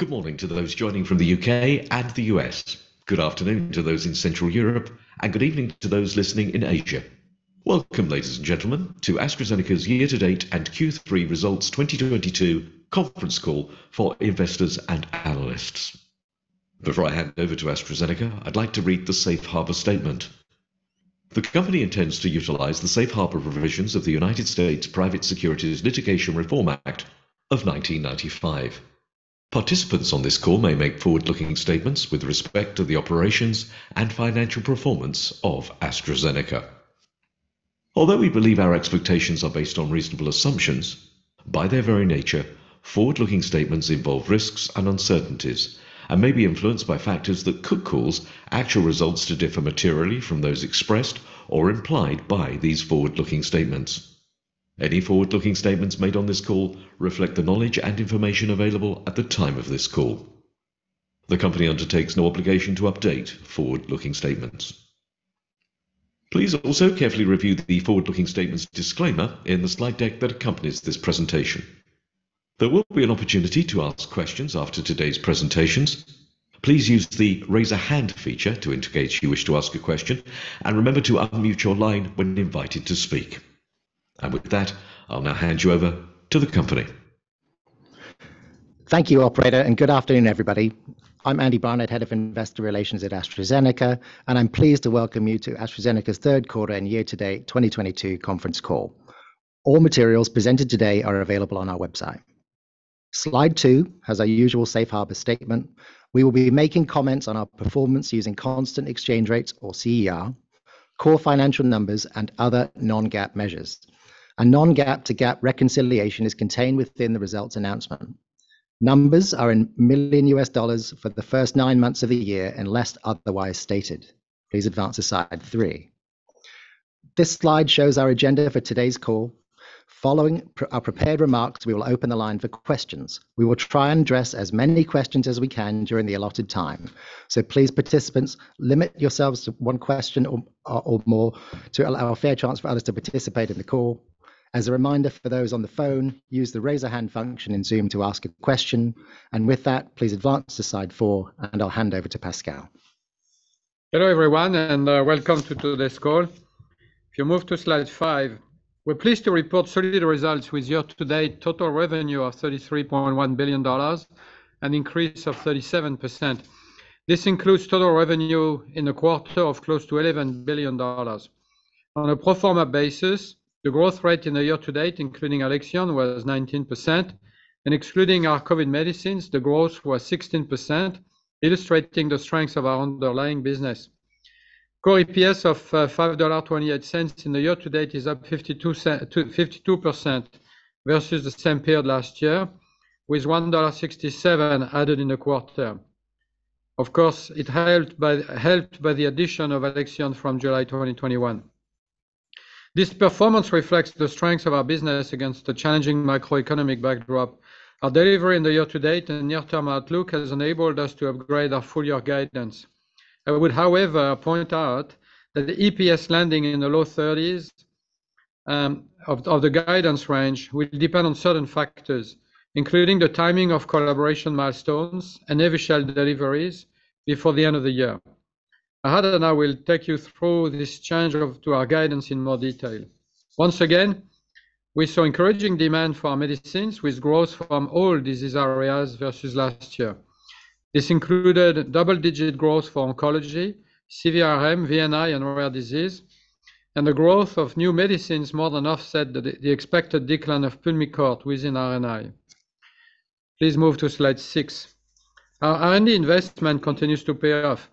Good morning to those joining from the U.K. and the U.S. Good afternoon to those in Central Europe, and good evening to those listening in Asia. Before I hand over to AstraZeneca, I'd like to read the safe harbor statement. The company intends to utilize the safe harbor provisions of the Private Securities Litigation Reform Act of 1995 of 1995. Participants on this call may make forward-looking statements with respect to the operations and financial performance of AstraZeneca. Although we believe our expectations are based on reasonable assumptions, by their very nature, forward-looking statements involve risks and uncertainties and may be influenced by factors that could cause actual results to differ materially from those expressed or implied by these forward-looking statements. Any forward-looking statements made on this call reflect the knowledge and information available at the time of this call. The company undertakes no obligation to update forward-looking statements. Please also carefully review the forward-looking statements disclaimer in the slide deck that accompanies this presentation. There will be an opportunity to ask questions after today's presentations. Please use the Raise a Hand feature to indicate you wish to ask a question, and remember to unmute your line when invited to speak. With that, I'll now hand you over to the company. Thank you, operator, and good afternoon, everybody. I'm Andy Barnett, Head of Investor Relations at AstraZeneca, and I'm pleased to welcome you to AstraZeneca's third quarter and year-to-date 2022 conference call. All materials presented today are available on our website. Slide two has our usual safe harbor statement. We will be making comments on our performance using constant exchange rates or CER, core financial numbers and other non-GAAP measures. A non-GAAP to GAAP reconciliation is contained within the results announcement. Numbers are in million U.S. dollars for the first nine months of the year, unless otherwise stated. Please advance to slide three. This slide shows our agenda for today's call. Following our prepared remarks, we will open the line for questions. We will try and address as many questions as we can during the allotted time. Please, participants, limit yourselves to one question or more to allow a fair chance for others to participate in the call. As a reminder for those on the phone, use the Raise a Hand function in Zoom to ask a question. With that, please advance to slide four, and I'll hand over to Pascal. Hello, everyone, and welcome to today's call. If you move to slide five, we're pleased to report solid results with year-to-date total revenue of $33.1 billion, an increase of 37%. This includes total revenue in the quarter of close to $11 billion. On a pro forma basis, the growth rate in the year-to-date, including Alexion, was 19% and excluding our COVID medicines, the growth was 16%, illustrating the strengths of our underlying business. Core EPS of $5.28 in the year-to-date is up 52% versus the same period last year, with $1.67 added in the quarter. Of course, it helped by the addition of Alexion from July 2021. This performance reflects the strength of our business against the challenging macroeconomic backdrop. Our delivery in the year-to-date and near-term outlook has enabled us to upgrade our full-year guidance. I would, however, point out that the EPS landing in the low thirties of the guidance range will depend on certain factors, including the timing of collaboration milestones and Evusheld deliveries before the end of the year. Aradhana and I will take you through this change to our guidance in more detail. Once again, we saw encouraging demand for our medicines with growth from all disease areas versus last year. This included double-digit growth for oncology, CVRM, VNI and rare disease, and the growth of new medicines more than offset the expected decline of Pulmicort within RNI. Please move to slide six. Our R&D investment continues to pay off.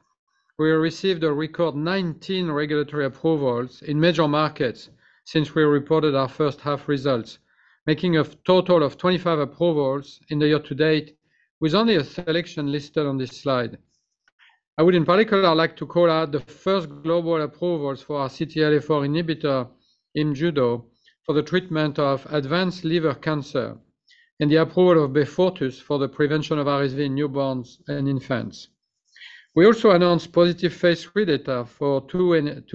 We received a record 19 regulatory approvals in major markets since we reported our first half results, making a total of 25 approvals in the year-to-date, with only a selection listed on this slide. I would, in particular, like to call out the first global approvals for our CTLA-4 inhibitor, Imjudo, for the treatment of advanced liver cancer and the approval of Beyfortus for the prevention of RSV in newborns and infants. We also announced positive phase III data for two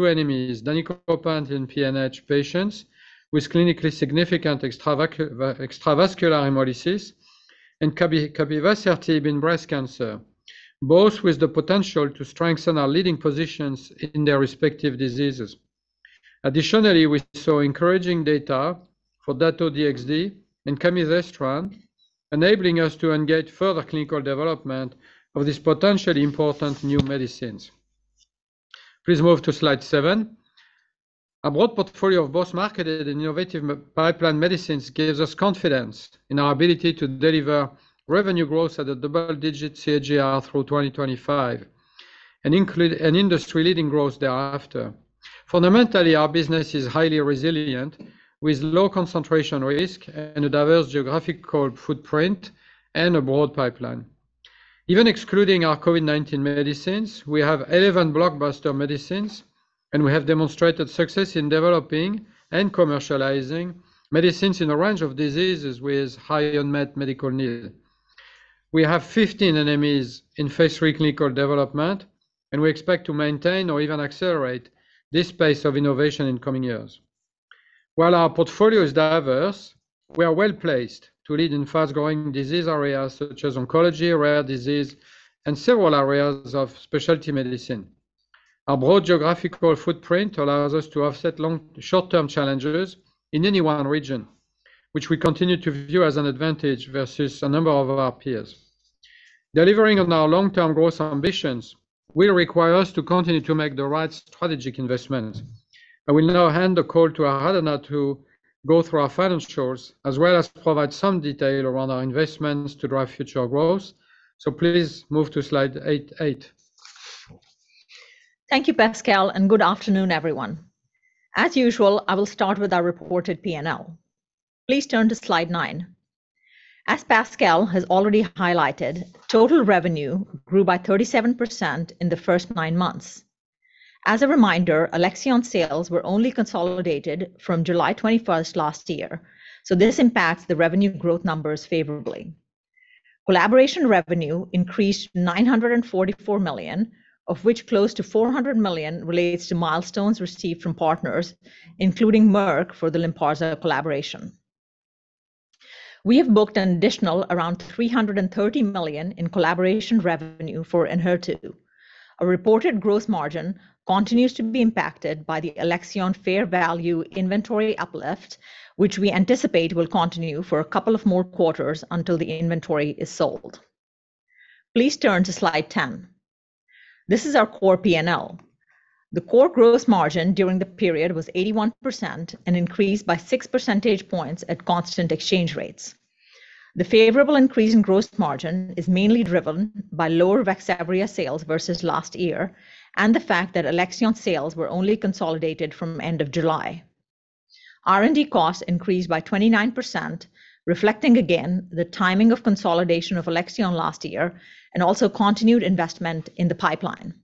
NMEs, Danicopan in PNH patients with clinically significant extravascular hemolysis, and capivasertib in breast cancer, both with the potential to strengthen our leading positions in their respective diseases. Additionally, we saw encouraging data for Dato-DXd and camizestrant, enabling us to engage further clinical development of these potentially important new medicines. Please move to slide seven. A broad portfolio of both marketed and innovative pipeline medicines gives us confidence in our ability to deliver revenue growth at a double-digit CAGR through 2025 and include an industry-leading growth thereafter. Fundamentally, our business is highly resilient, with low concentration risk and a diverse geographical footprint and a broad pipeline. Even excluding our COVID-19 medicines, we have 11 blockbuster medicines, and we have demonstrated success in developing and commercializing medicines in a range of diseases with high unmet medical need. We have 15 NMEs in phase III clinical development, and we expect to maintain or even accelerate this pace of innovation in coming years. While our portfolio is diverse, we are well-placed to lead in fast-growing disease areas such as oncology, rare disease, and several areas of specialty medicine. Our broad geographical footprint allows us to offset long, short-term challenges in any one region, which we continue to view as an advantage versus a number of our peers. Delivering on our long-term growth ambitions will require us to continue to make the right strategic investments. I will now hand the call to Aradhana Sarin to go through our financials as well as provide some detail around our investments to drive future growth. Please move to slide eight. Thank you, Pascal, and good afternoon, everyone. As usual, I will start with our reported P&L. Please turn to slide nine. As Pascal has already highlighted, total revenue grew by 37% in the first nine months. As a reminder, Alexion sales were only consolidated from July 21 last year, so this impacts the revenue growth numbers favorably. Collaboration revenue increased $944 million, of which close to $400 million relates to milestones received from partners, including Merck for the Lynparza collaboration. We have booked an additional around $330 million in collaboration revenue for Enhertu. Our reported gross margin continues to be impacted by the Alexion fair value inventory uplift, which we anticipate will continue for a couple of more quarters until the inventory is sold. Please turn to slide 10. This is our core P&L. The core gross margin during the period was 81% and increased by 6 percentage points at constant exchange rates. The favorable increase in gross margin is mainly driven by lower Vaxzevria sales versus last year and the fact that Alexion sales were only consolidated from end of July. R&D costs increased by 29%, reflecting again the timing of consolidation of Alexion last year and also continued investment in the pipeline.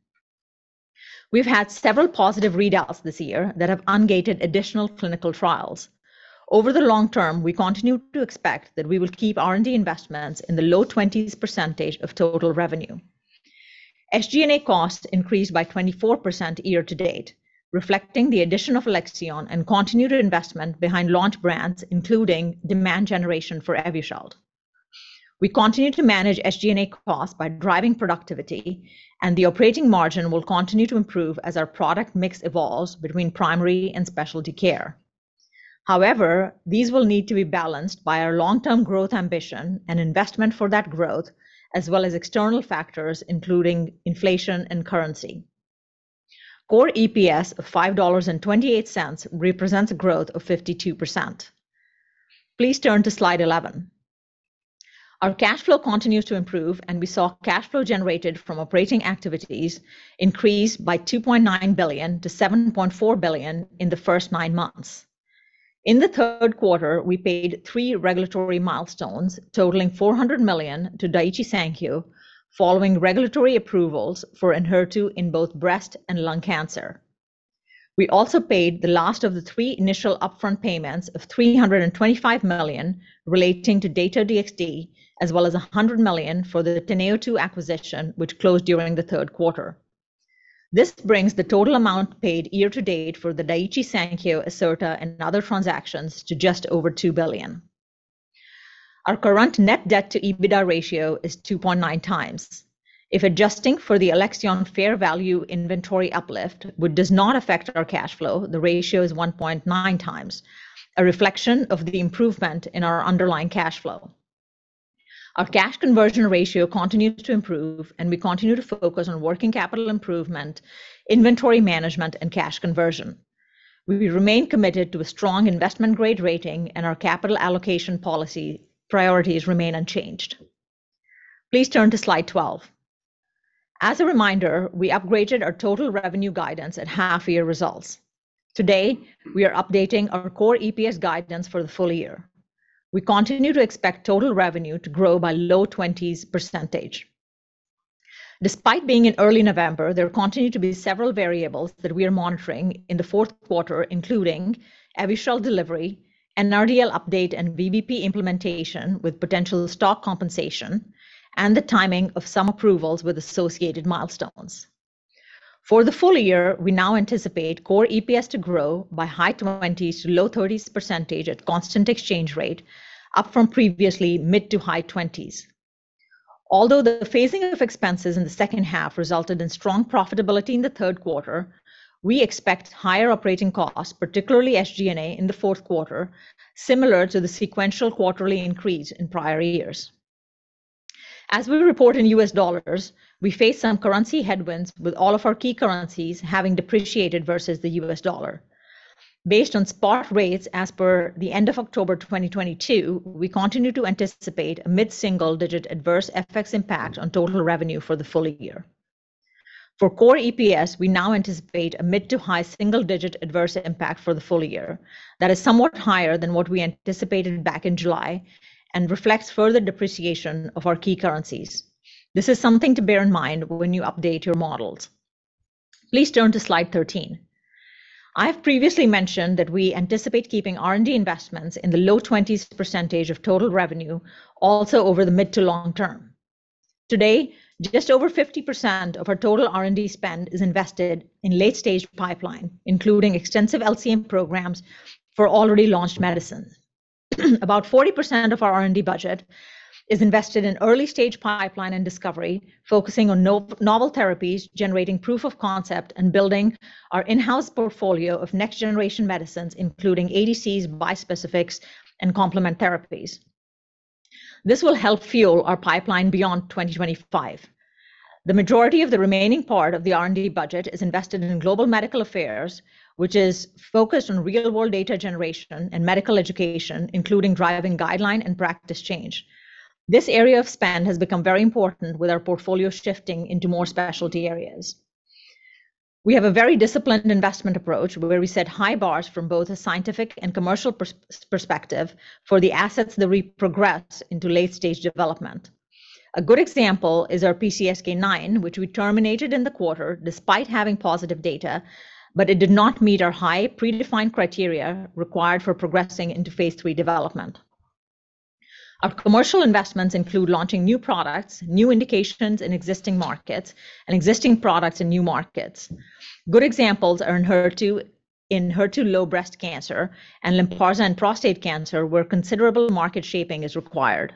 We've had several positive readouts this year that have ungated additional clinical trials. Over the long term, we continue to expect that we will keep R&D investments in the low 20%s of total revenue. SG&A costs increased by 24% year-to-date, reflecting the addition of Alexion and continued investment behind launch brands, including demand generation for Evusheld. We continue to manage SG&A costs by driving productivity, and the operating margin will continue to improve as our product mix evolves between primary and specialty care. However, these will need to be balanced by our long-term growth ambition and investment for that growth, as well as external factors, including inflation and currency. Core EPS of $5.28 represents a growth of 52%. Please turn to slide 11. Our cash flow continues to improve, and we saw cash flow generated from operating activities increase by $2.9 billion to $7.4 billion in the first nine months. In the third quarter, we paid three regulatory milestones totaling $400 million to Daiichi Sankyo following regulatory approvals for Enhertu in both breast and lung cancer. We also paid the last of the three initial upfront payments of $325 million relating to Dato-DXd, as well as $100 million for the TeneoTwo acquisition, which closed during the third quarter. This brings the total amount paid year-to-date for the Daiichi Sankyo, Ionis, and other transactions to just over $2 billion. Our current net debt to EBITDA ratio is 2.9x. If adjusting for the Alexion fair value inventory uplift, which does not affect our cash flow, the ratio is 1.9x, a reflection of the improvement in our underlying cash flow. Our cash conversion ratio continues to improve, and we continue to focus on working capital improvement, inventory management, and cash conversion. We remain committed to a strong investment-grade rating, and our capital allocation policy priorities remain unchanged. Please turn to slide 12. As a reminder, we upgraded our total revenue guidance at half-year results. Today, we are updating our core EPS guidance for the full year. We continue to expect total revenue to grow by low 20%s. Despite being in early November, there continue to be several variables that we are monitoring in the fourth quarter, including Evusheld delivery, an NRDL update and VBP implementation with potential stock compensation, and the timing of some approvals with associated milestones. For the full year, we now anticipate core EPS to grow by high 20%s-low 30%s at constant exchange rate, up from previously mid- to high 20%s. Although the phasing of expenses in the second half resulted in strong profitability in the third quarter, we expect higher operating costs, particularly SG&A, in the fourth quarter, similar to the sequential quarterly increase in prior years. As we report in U.S. dollars, we face some currency headwinds with all of our key currencies having depreciated versus the U.S. dollar. Based on spot rates as per the end of October 2022, we continue to anticipate a mid-single-digit adverse FX impact on total revenue for the full year. For core EPS, we now anticipate a mid- to high single-digit adverse impact for the full year. That is somewhat higher than what we anticipated back in July and reflects further depreciation of our key currencies. This is something to bear in mind when you update your models. Please turn to slide 13. I have previously mentioned that we anticipate keeping R&D investments in the low 20%s of total revenue also over the mid- to long term. Today, just over 50% of our total R&D spend is invested in late-stage pipeline, including extensive LCM programs for already launched medicines. About 40% of our R&D budget is invested in early-stage pipeline and discovery, focusing on novel therapies, generating proof of concept, and building our in-house portfolio of next-generation medicines, including ADCs, bispecifics and complement therapies. This will help fuel our pipeline beyond 2025. The majority of the remaining part of the R&D budget is invested in global medical affairs, which is focused on real-world data generation and medical education, including driving guideline and practice change. This area of spend has become very important with our portfolio shifting into more specialty areas. We have a very disciplined investment approach where we set high bars from both a scientific and commercial perspective for the assets that we progress into late-stage development. A good example is our PCSK9, which we terminated in the quarter despite having positive data, but it did not meet our high predefined criteria required for progressing into phase III development. Our commercial investments include launching new products, new indications in existing markets, and existing products in new markets. Good examples are in HER2, in HER2 low breast cancer and Lynparza in prostate cancer, where considerable market shaping is required.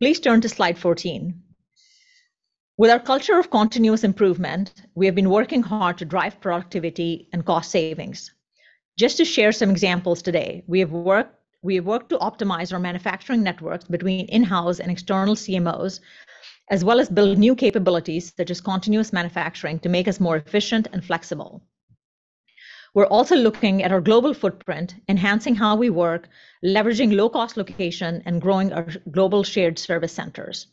Please turn to slide 14. With our culture of continuous improvement, we have been working hard to drive productivity and cost savings. Just to share some examples today, we have worked to optimize our manufacturing networks between in-house and external CMOs, as well as build new capabilities such as continuous manufacturing to make us more efficient and flexible. We're also looking at our global footprint, enhancing how we work, leveraging low-cost location, and growing our global shared service centers.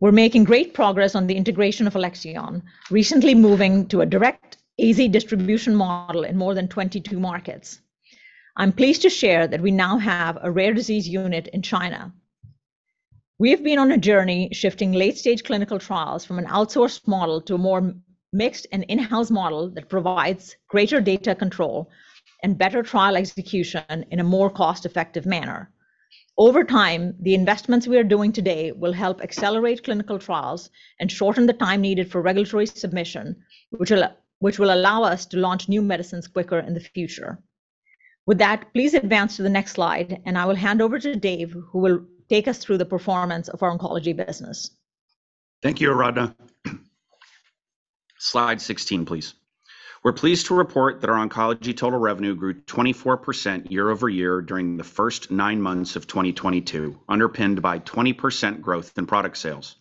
We're making great progress on the integration of Alexion, recently moving to a direct easy distribution model in more than 22 markets. I'm pleased to share that we now have a rare disease unit in China. We have been on a journey shifting late-stage clinical trials from an outsourced model to a more mixed and in-house model that provides greater data control and better trial execution in a more cost-effective manner. Over time, the investments we are doing today will help accelerate clinical trials and shorten the time needed for regulatory submission, which will allow us to launch new medicines quicker in the future. With that, please advance to the next slide, and I will hand over to David Fredrickson, who will take us through the performance of our oncology business. Thank you, Aradhana. Slide 16, please. We're pleased to report that our oncology total revenue grew 24% year-over-year during the first nine months of 2022, underpinned by 20% growth in product sales.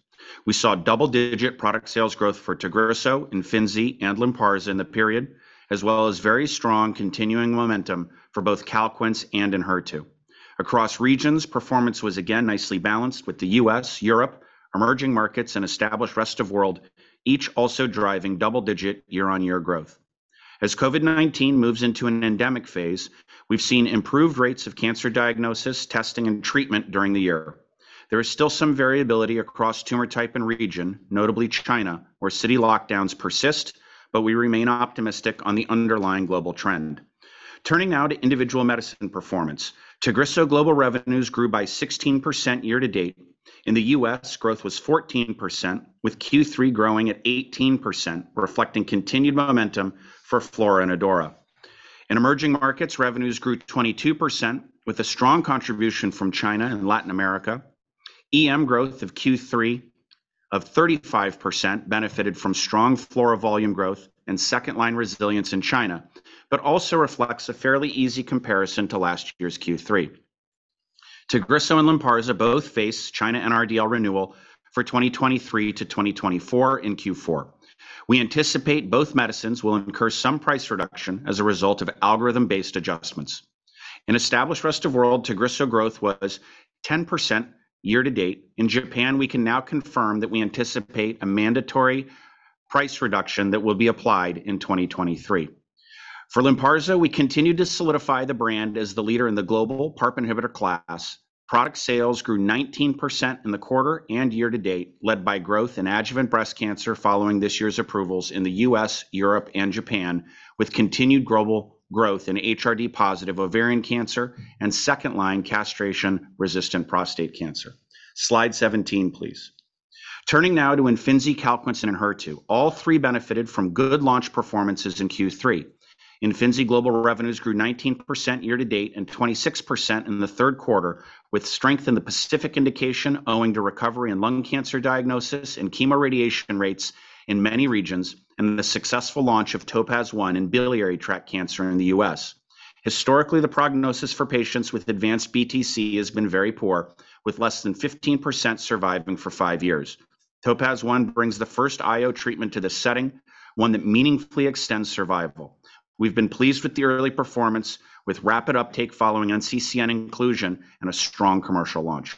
We saw double-digit product sales growth for Tagrisso, Imfinzi, and Lynparza in the period, as well as very strong continuing momentum for both Calquence and Enhertu. Across regions, performance was again nicely balanced with the U.S., Europe, Emerging Markets, and Established Rest of World, each also driving double-digit year-over-year growth. As COVID-19 moves into an endemic phase, we've seen improved rates of cancer diagnosis, testing, and treatment during the year. There is still some variability across tumor type and region, notably China, where city lockdowns persist, but we remain optimistic on the underlying global trend. Turning now to individual medicine performance. Tagrisso global revenues grew by 16% year-to-date. In the U.S., growth was 14%, with Q3 growing at 18%, reflecting continued momentum for Farxiga and Tagrisso. In emerging markets, revenues grew 22%, with a strong contribution from China and Latin America. EM growth of Q3 of 35% benefited from strong Farxiga volume growth and second line resilience in China, but also reflects a fairly easy comparison to last year's Q3. Tagrisso and Lynparza both face China NRDL renewal for 2023 to 2024 in Q4. We anticipate both medicines will incur some price reduction as a result of algorithm-based adjustments. In established rest of world, Tagrisso growth was 10% year-to-date. In Japan, we can now confirm that we anticipate a mandatory price reduction that will be applied in 2023. For Lynparza, we continue to solidify the brand as the leader in the global PARP inhibitor class. Product sales grew 19% in the quarter and year-to-date, led by growth in adjuvant breast cancer following this year's approvals in the U.S., Europe, and Japan, with continued global growth in HRD-positive ovarian cancer and second-line castration-resistant prostate cancer. Slide 17, please. Turning now to Imfinzi, Calquence, and Enhertu. All three benefited from good launch performances in Q3. Imfinzi global revenues grew 19% year-to-date and 26% in the third quarter, with strength in the Pacific indication owing to recovery in lung cancer diagnosis and chemoradiation rates in many regions and the successful launch of TOPAZ-1 in biliary tract cancer in the U.S. Historically, the prognosis for patients with advanced BTC has been very poor, with less than 15% surviving for five years. TOPAZ-1 brings the first IO treatment to this setting, one that meaningfully extends survival. We've been pleased with the early performance with rapid uptake following NCCN inclusion and a strong commercial launch.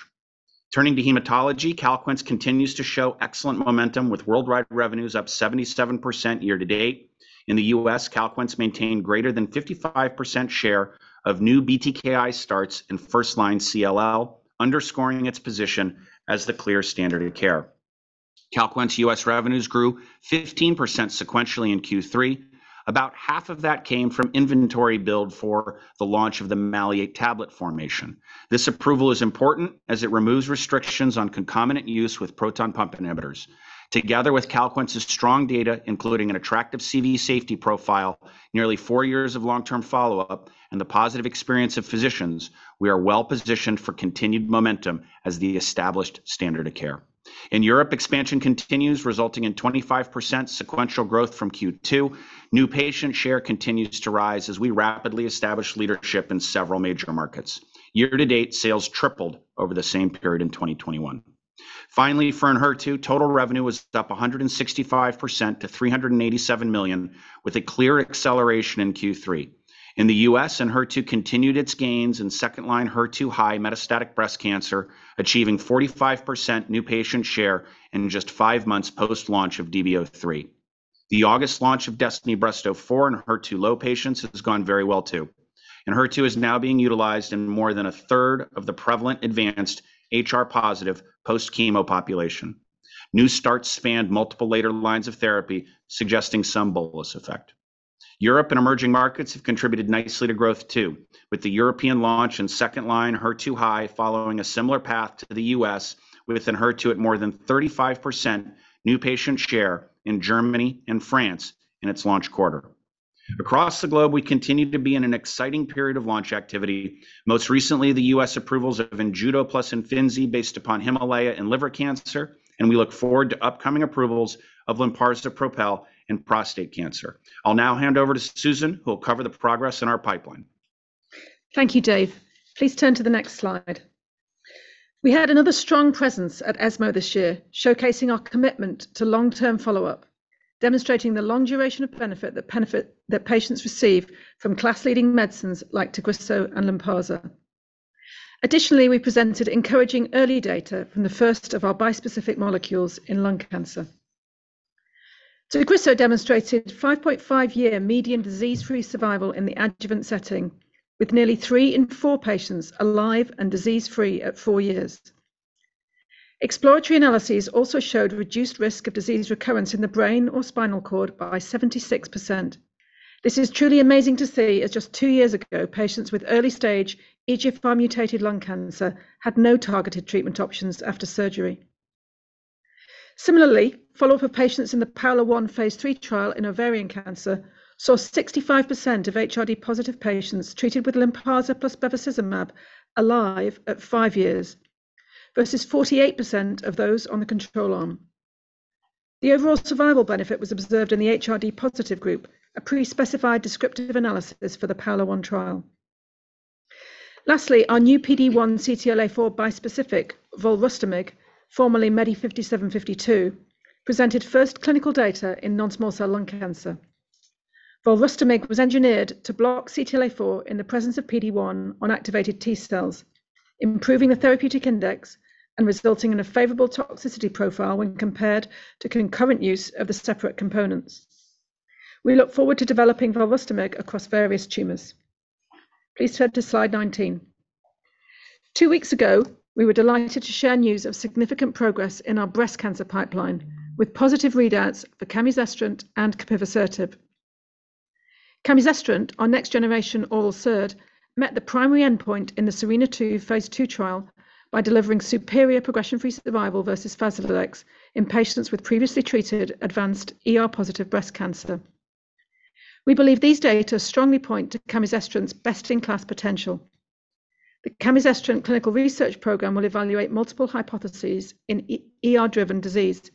Turning to hematology, Calquence continues to show excellent momentum with worldwide revenues up 77% year-to-date. in the U.S., Calquence maintained greater than 55% share of new BTKI starts in first-line CLL, underscoring its position as the clear standard of care. Calquence U.S. revenues grew 15% sequentially in Q3. About half of that came from inventory build for the launch of the 80 mg tablet formulation. This approval is important as it removes restrictions on concomitant use with proton pump inhibitors. Together with Calquence's strong data, including an attractive CV safety profile, nearly four years of long-term follow-up, and the positive experience of physicians, we are well-positioned for continued momentum as the established standard of care. In Europe, expansion continues, resulting in 25% sequential growth from Q2. New patient share continues to rise as we rapidly establish leadership in several major markets. Year-to-date sales tripled over the same period in 2021. Finally, for Enhertu, total revenue was up 165% to $387 million, with a clear acceleration in Q3. In the U.S., Enhertu continued its gains in second line HER2 high metastatic breast cancer, achieving 45% new patient share in just five months post-launch of DB03. The August launch of DESTINY-Breast04 in HER2-low patients has gone very well, too. Enhertu is now being utilized in more than 1/3 of the prevalent advanced HR-positive post-chemo population. New starts spanned multiple later lines of therapy, suggesting some bolus effect. Europe and emerging markets have contributed nicely to growth, too, with the European launch in second-line HER2-high following a similar path to the U.S. within Enhertu at more than 35% new patient share in Germany and France in its launch quarter. Across the globe, we continue to be in an exciting period of launch activity. Most recently, the U.S. approvals of Imjudo plus Imfinzi based upon HIMALAYA and liver cancer, and we look forward to upcoming approvals of Lynparza PROpel in prostate cancer. I'll now hand over to Susan, who will cover the progress in our pipeline. Thank you, Dave. Please turn to the next slide. We had another strong presence at ESMO this year, showcasing our commitment to long-term follow-up, demonstrating the long duration of benefit that patients receive from class-leading medicines like Tagrisso and Lynparza. Additionally, we presented encouraging early data from the first of our bispecific molecules in lung cancer. Tagrisso demonstrated 5.5-year median disease-free survival in the adjuvant setting, with nearly three in four patients alive and disease-free at four years. Exploratory analysis also showed reduced risk of disease recurrence in the brain or spinal cord by 76%. This is truly amazing to see, as just two years ago, patients with early stage EGFR-mutated lung cancer had no targeted treatment options after surgery. Similarly, follow-up of patients in the PAOLA-1 phase III trial in ovarian cancer saw 65% of HRD-positive patients treated with Lynparza plus bevacizumab alive at five years versus 48% of those on the control arm. The overall survival benefit was observed in the HRD-positive group, a pre-specified descriptive analysis for the PAOLA-1 trial. Lastly, our new PD-1/CTLA-4 bispecific, volrustomig, formerly MEDI5752, presented first clinical data in non-small cell lung cancer. Volrustomig was engineered to block CTLA-4 in the presence of PD-1 on activated T-cells, improving the therapeutic index and resulting in a favorable toxicity profile when compared to concurrent use of the separate components. We look forward to developing volrustomig across various tumors. Please turn to slide 19. Two weeks ago, we were delighted to share news of significant progress in our breast cancer pipeline with positive readouts for camizestrant and capivasertib. Camizestrant, our next-generation oral SERD, met the primary endpoint in the SERENA-2 phase II trial by delivering superior progression-free survival versus Faslodex in patients with previously treated advanced ER-positive breast cancer. We believe these data strongly point to camizestrant's best-in-class potential. The camizestrant clinical research program will evaluate multiple hypotheses in ER-driven disease,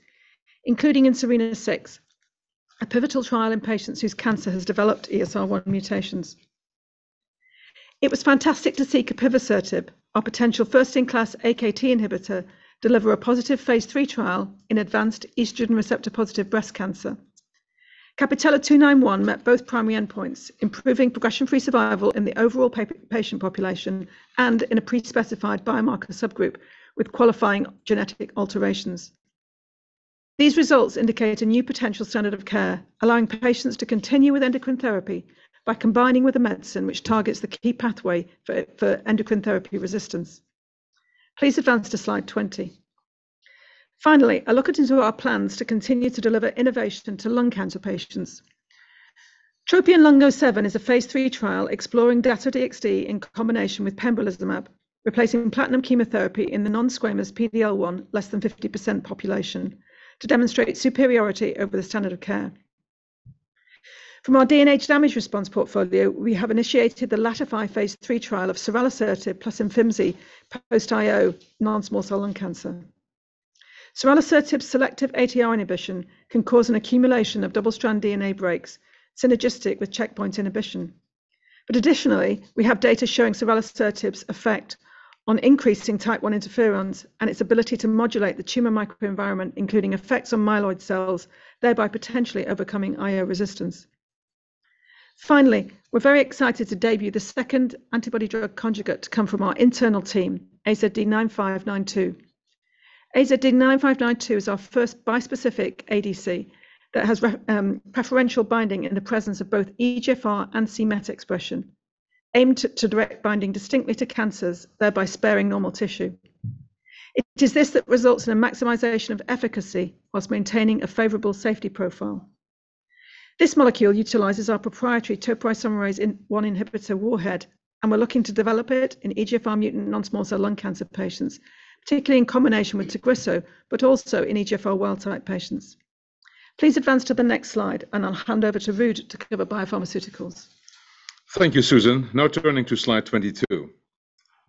including in SERENA-6, a pivotal trial in patients whose cancer has developed ESR1 mutations. It was fantastic to see capivasertib, our potential first-in-class AKT inhibitor, deliver a positive phase III trial in advanced estrogen receptor-positive breast cancer. CAPItello-291 met both primary endpoints, improving progression-free survival in the overall patient population and in a pre-specified biomarker subgroup with qualifying genetic alterations. These results indicate a new potential standard of care, allowing patients to continue with endocrine therapy by combining with a medicine which targets the key pathway for endocrine therapy resistance. Please advance to slide 20. Finally, a look into our plans to continue to deliver innovation to lung cancer patients. TROPION-Lung07 is a phase III trial exploring Dato-DXd in combination with pembrolizumab, replacing platinum chemotherapy in the non-squamous PD-L1 less than 50% population to demonstrate superiority over the standard of care. From our DNA damage response portfolio, we have initiated the LATIFY phase III trial of ceralasertib plus Imfinzi post-IO non-small cell lung cancer. Ceralasertib selective ATR inhibition can cause an accumulation of double-strand DNA breaks synergistic with checkpoint inhibition. Additionally, we have data showing ceralasertib's effect on increasing type one interferons and its ability to modulate the tumor microenvironment, including effects on myeloid cells, thereby potentially overcoming IO resistance. Finally, we're very excited to debut the second antibody-drug conjugate to come from our internal team, AZD9592. AZD9592 is our first bispecific ADC that has preferential binding in the presence of both EGFR and c-Met expression, aimed to direct binding distinctly to cancers, thereby sparing normal tissue. It is this that results in a maximization of efficacy while maintaining a favorable safety profile. This molecule utilizes our proprietary topoisomerase I inhibitor warhead, and we're looking to develop it in EGFR mutant non-small cell lung cancer patients, particularly in combination with Tagrisso, but also in EGFR wild type patients. Please advance to the next slide, and I'll hand over to Ruud to cover BioPharmaceuticals. Thank you, Susan. Now turning to slide 22.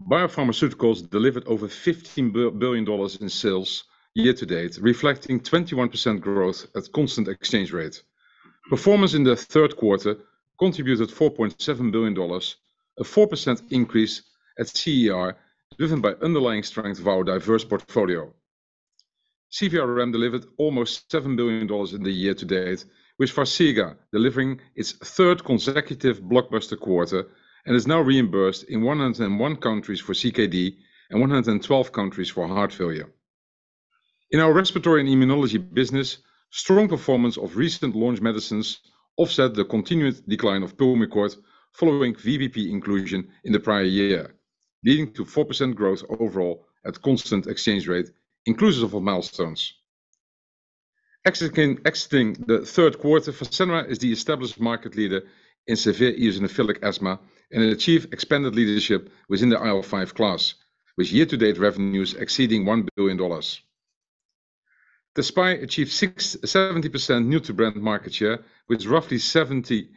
Biopharmaceuticals delivered over $15 billion in sales year-to-date, reflecting 21% growth at constant exchange rate. Performance in the third quarter contributed $4.7 billion, a 4% increase at CER, driven by underlying strength of our diverse portfolio. CVRM delivered almost $7 billion in the year-to-date, with Farxiga delivering its third consecutive blockbuster quarter and is now reimbursed in 101 countries for CKD and 112 countries for heart failure. In our respiratory and immunology business, strong performance of recent launch medicines offset the continued decline of Pulmicort following VBP inclusion in the prior year, leading to 4% growth overall at constant exchange rate, inclusive of milestones. Exiting the third quarter, Fasenra is the established market leader in severe eosinophilic asthma and it achieved expanded leadership within the IL-5 class, with year-to-date revenues exceeding $1 billion. Tezspire achieved 67% new-to-brand market share, with roughly 70%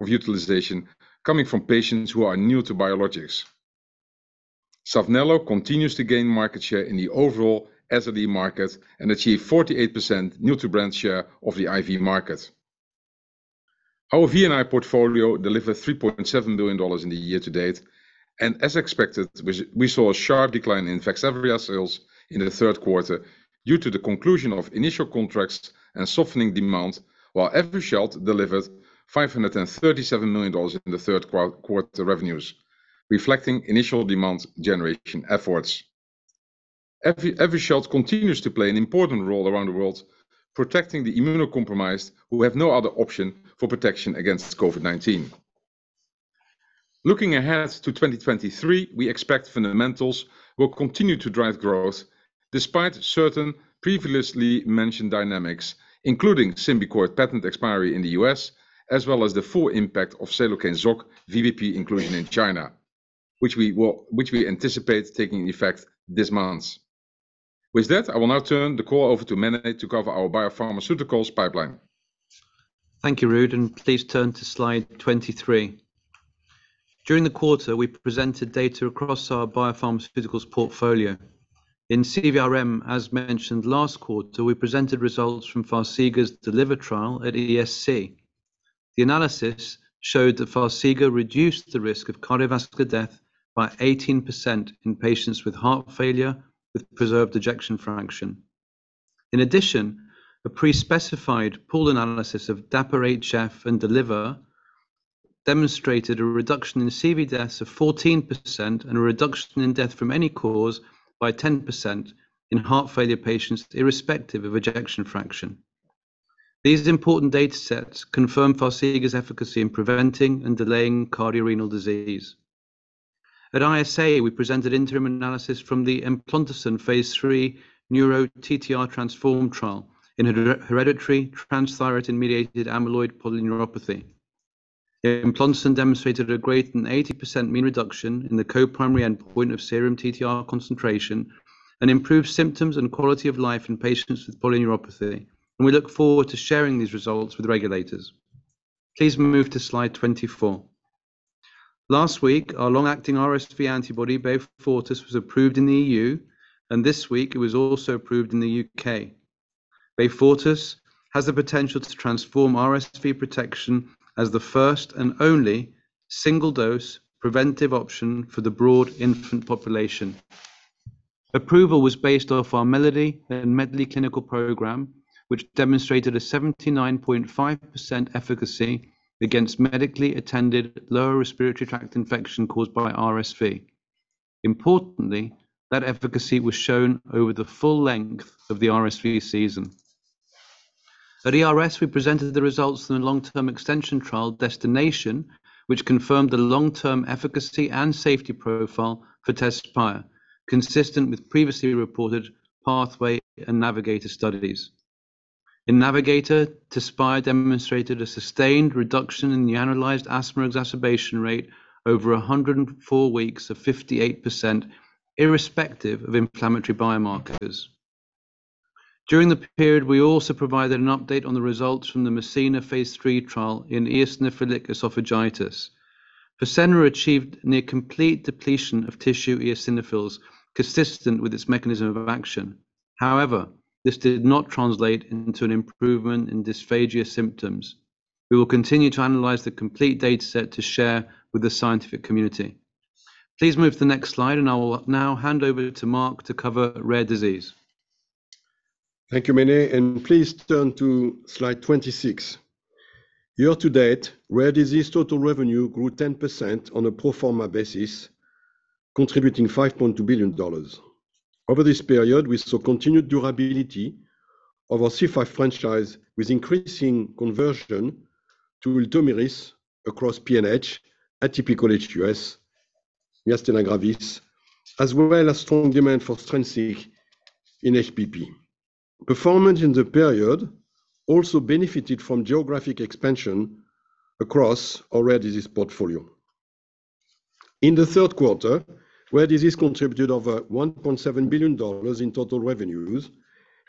of utilization coming from patients who are new to biologics. Saphnelo continues to gain market share in the overall SLE market and achieve 48% new-to-brand share of the IV market. Our V&I portfolio delivered $3.7 billion in the year-to-date, and as expected, we saw a sharp decline in Vaxzevria sales in the third quarter due to the conclusion of initial contracts and softening demand, while Evusheld delivered $537 million in the third quarter revenues, reflecting initial demand generation efforts. Evusheld continues to play an important role around the world, protecting the immunocompromised who have no other option for protection against COVID-19. Looking ahead to 2023, we expect fundamentals will continue to drive growth despite certain previously mentioned dynamics, including Symbicort patent expiry in the U.S., as well as the full impact of Seloken VBP inclusion in China, which we anticipate taking effect this month. With that, I will now turn the call over to Mene to cover our biopharmaceuticals pipeline. Thank you, Ruud, and please turn to slide 23. During the quarter, we presented data across our biopharmaceuticals portfolio. In CVRM, as mentioned last quarter, we presented results from Farxiga's DELIVER trial at ESC. The analysis showed that Farxiga reduced the risk of cardiovascular death by 18% in patients with heart failure with preserved ejection fraction. In addition, a pre-specified pooled analysis of DAPA-HF and DELIVER demonstrated a reduction in CV deaths of 14% and a reduction in death from any cause by 10% in heart failure patients irrespective of ejection fraction. These important datasets confirm Farxiga's efficacy in preventing and delaying cardiorenal disease. At ISA, we presented interim analysis from the eplontersen phase III NEURO-TTRansform trial in hereditary transthyretin-mediated amyloid polyneuropathy. Eplontersen demonstrated a greater than 80% mean reduction in the co-primary endpoint of serum TTR concentration and improved symptoms and quality of life in patients with polyneuropathy, and we look forward to sharing these results with regulators. Please move to slide 24. Last week, our long-acting RSV antibody Beyfortus was approved in the EU, and this week it was also approved in the U.K. Beyfortus has the potential to transform RSV protection as the first and only single-dose preventive option for the broad infant population. Approval was based off our MELODY and MEDLEY clinical program, which demonstrated a 79.5% efficacy against medically attended lower respiratory tract infection caused by RSV. Importantly, that efficacy was shown over the full length of the RSV season. At ERS, we presented the results from the long-term extension trial DESTINATION, which confirmed the long-term efficacy and safety profile for Tezspire, consistent with previously reported PATHWAY and NAVIGATOR studies. In NAVIGATOR, Tezspire demonstrated a sustained reduction in the analyzed asthma exacerbation rate over 104 weeks of 58% irrespective of inflammatory biomarkers. During the period, we also provided an update on the results from the MESSINA phase III trial in eosinophilic esophagitis. Fasenra achieved near complete depletion of tissue eosinophils consistent with its mechanism of action. However, this did not translate into an improvement in dysphagia symptoms. We will continue to analyze the complete dataset to share with the scientific community. Please move to the next slide, and I will now hand over to Mark to cover rare disease. Thank you, Mene. Please turn to slide 26. year-to-date, rare disease total revenue grew 10% on a pro forma basis, contributing $5.2 billion. Over this period, we saw continued durability of our C5 franchise, with increasing conversion to Ultomiris across PNH, atypical HUS, myasthenia gravis, as well as strong demand for Strensiq in HPP. Performance in the period also benefited from geographic expansion across our rare disease portfolio. In the third quarter, rare disease contributed over $1.7 billion in total revenues,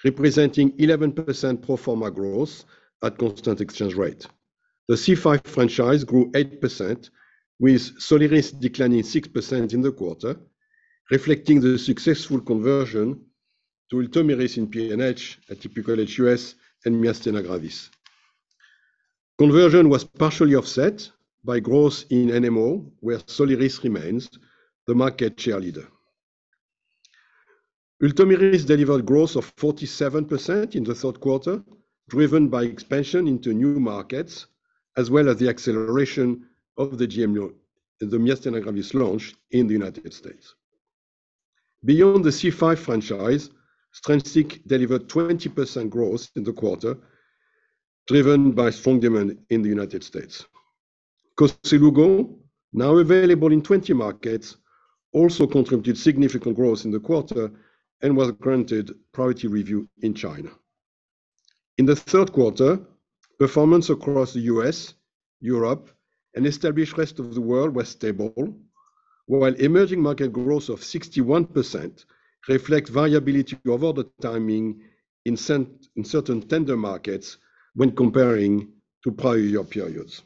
representing 11% pro forma growth at constant exchange rate. The C5 franchise grew 8%, with Soliris declining 6% in the quarter, reflecting the successful conversion to Ultomiris in PNH, atypical HUS, and myasthenia gravis. Conversion was partially offset by growth in NMO, where Soliris remains the market share leader. Ultomiris delivered growth of 47% in the third quarter, driven by expansion into new markets, as well as the acceleration of the myasthenia gravis launch in the United States. Beyond the C5 franchise, Strensiq delivered 20% growth in the quarter, driven by strong demand in the United States. Cosentyx, now available in 20 markets, also contributed significant growth in the quarter and was granted priority review in China. In the third quarter, performance across the U.S., Europe, and established rest of the world was stable, while emerging market growth of 61% reflects variability of order timing in certain tender markets when comparing to prior year periods.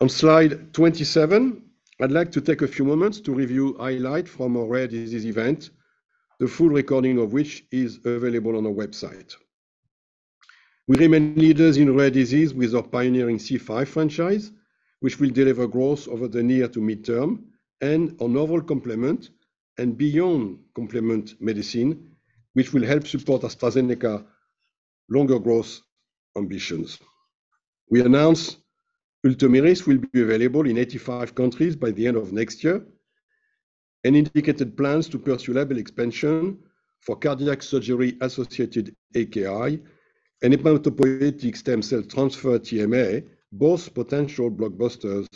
On slide 27, I'd like to take a few moments to review highlights from our Rare Disease Event, the full recording of which is available on our website. We remain leaders in rare disease with our pioneering C5 franchise, which will deliver growth over the near- to mid-term, and our novel complement and beyond complement medicine, which will help support AstraZeneca's longer-term growth ambitions. We announced Ultomiris will be available in 85 countries by the end of next year, and indicated plans to pursue label expansion for cardiac surgery-associated AKI and hematopoietic stem cell transplant TMA, both potential blockbuster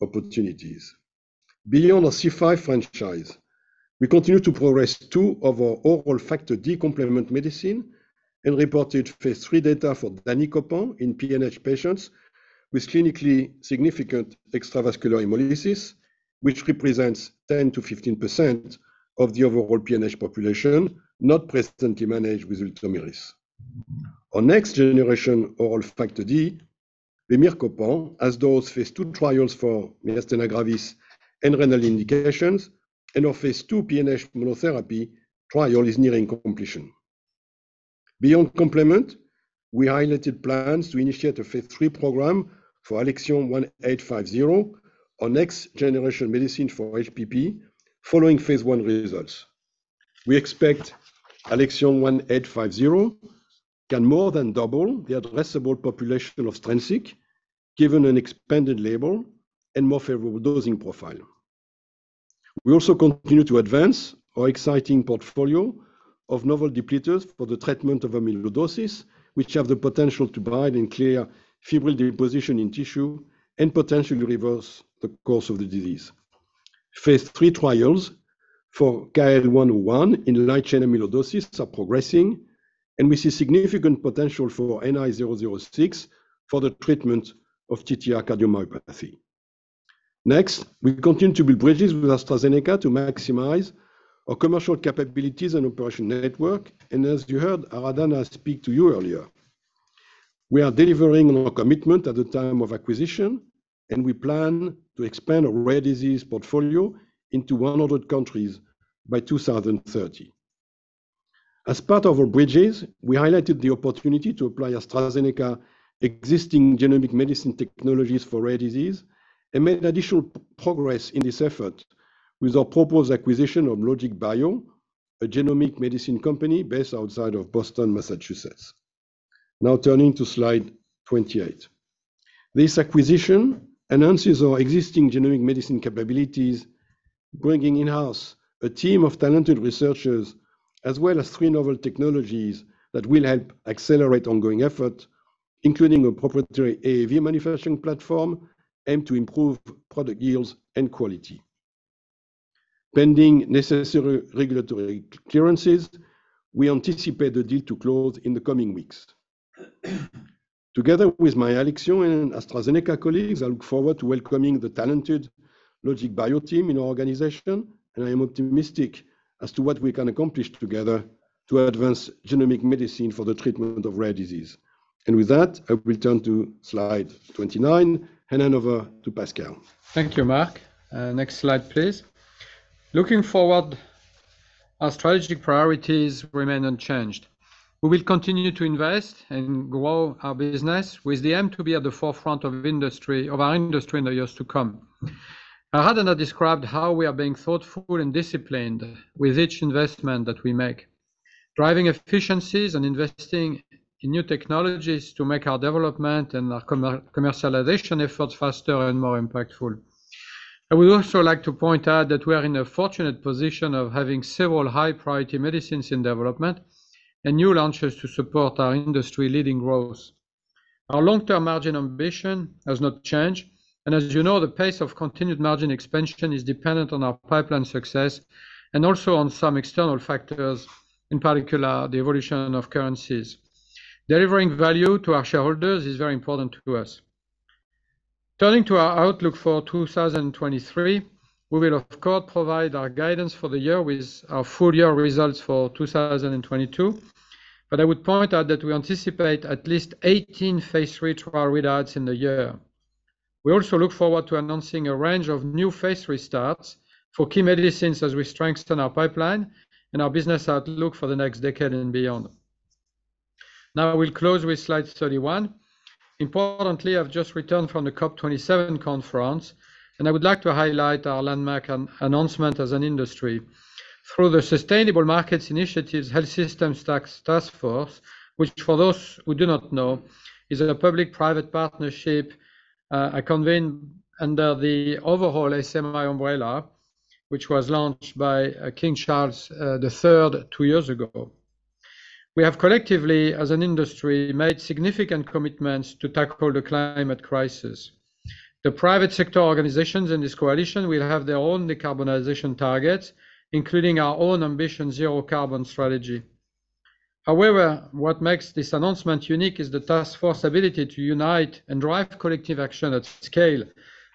opportunities. Beyond our C5 franchise, we continue to progress two of our oral Factor D complement medicines and reported phase III data for Danicopan in PNH patients with clinically significant extravascular hemolysis, which represents 10%-15% of the overall PNH population not presently managed with Ultomiris. Our next generation oral Factor D, vemircopan, has those phase II trials for myasthenia gravis and renal indications, and our phase II PNH monotherapy trial is nearing completion. Beyond complement, we highlighted plans to initiate a phase III program for ALXN1850, our next-generation medicine for HPP, following phase one results. We expect ALXN1850 can more than double the addressable population of Strensiq, given an expanded label and more favorable dosing profile. We also continue to advance our exciting portfolio of novel depleters for the treatment of amyloidosis, which have the potential to bind and clear fibril deposition in tissue and potentially reverse the course of the disease. Phase III trials for CAEL-101 in light chain amyloidosis are progressing, and we see significant potential for NI006 for the treatment of TTR cardiomyopathy. Next, we continue to build bridges with AstraZeneca to maximize our commercial capabilities and operation network. As you heard Aradhana speak to you earlier, we are delivering on our commitment at the time of acquisition, and we plan to expand our rare disease portfolio into 100 countries by 2030. As part of our bridges, we highlighted the opportunity to apply AstraZeneca's existing genomic medicine technologies for rare disease and made additional progress in this effort with our proposed acquisition of LogicBio, a genomic medicine company based outside of Boston, Massachusetts. Now turning to slide 28. This acquisition enhances our existing genomic medicine capabilities, bringing in-house a team of talented researchers, as well as three novel technologies that will help accelerate ongoing effort, including a proprietary AAV manufacturing platform aimed to improve product yields and quality. Pending necessary regulatory clearances, we anticipate the deal to close in the coming weeks. Together with my Alexion and AstraZeneca colleagues, I look forward to welcoming the talented LogicBio Therapeutics team in our organization, and I am optimistic as to what we can accomplish together to advance genomic medicine for the treatment of rare disease. With that, I will turn to slide 29, and hand over to Pascal. Thank you, Marc. Next slide, please. Looking forward, our strategic priorities remain unchanged. We will continue to invest and grow our business with the aim to be at the forefront of industry, of our industry in the years to come. Aradhana described how we are being thoughtful and disciplined with each investment that we make. Driving efficiencies and investing in new technologies to make our development and our commercialization efforts faster and more impactful. I would also like to point out that we are in a fortunate position of having several high priority medicines in development and new launches to support our industry-leading growth. Our long-term margin ambition has not changed, and as you know, the pace of continued margin expansion is dependent on our pipeline success and also on some external factors, in particular, the evolution of currencies. Delivering value to our shareholders is very important to us. Turning to our outlook for 2023, we will of course provide our guidance for the year with our full year results for 2022. I would point out that we anticipate at least 18 phase III trial readouts in the year. We also look forward to announcing a range of new phase III starts for key medicines as we strengthen our pipeline and our business outlook for the next decade and beyond. Now I will close with slide 31. Importantly, I've just returned from the COP 27 conference, and I would like to highlight our landmark announcement as an industry. Through the Sustainable Markets Initiative's Health Systems Tax Task Force, which for those who do not know, is a public-private partnership, convened under the overall SMI umbrella, which was launched by King Charles III two years ago. We have collectively, as an industry, made significant commitments to tackle the climate crisis. The private sector organizations in this coalition will have their own decarbonization targets, including our own Ambition Zero Carbon strategy. However, what makes this announcement unique is the Task Force's ability to unite and drive collective action at scale,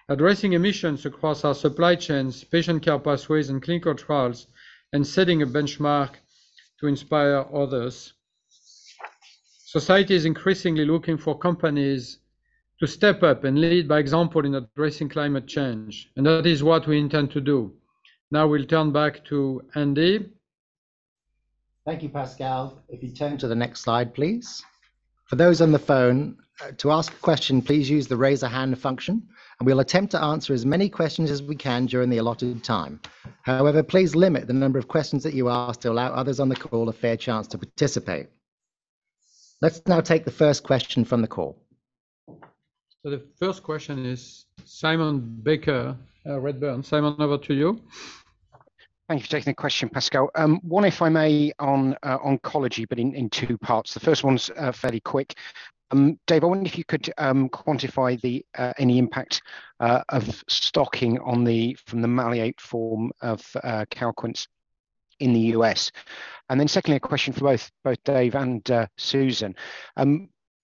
addressing emissions across our supply chains, patient care pathways, and clinical trials, and setting a benchmark to inspire others. Society is increasingly looking for companies to step up and lead by example in addressing climate change, and that is what we intend to do. Now we'll turn back to Andy. Thank you, Pascal. If you turn to the next slide, please. For those on the phone, to ask a question, please use the raise a hand function, and we'll attempt to answer as many questions as we can during the allotted time. However, please limit the number of questions that you ask to allow others on the call a fair chance to participate. Let's now take the first question from the call. The first question is Simon, over to you. Thank you for taking the question, Pascal. One, if I may, on oncology, but in two parts. The first one's fairly quick. Dave, I wonder if you could quantify any impact of stocking on the maleate form of Calquence in the U.S. Secondly, a question for both Dave and Susan.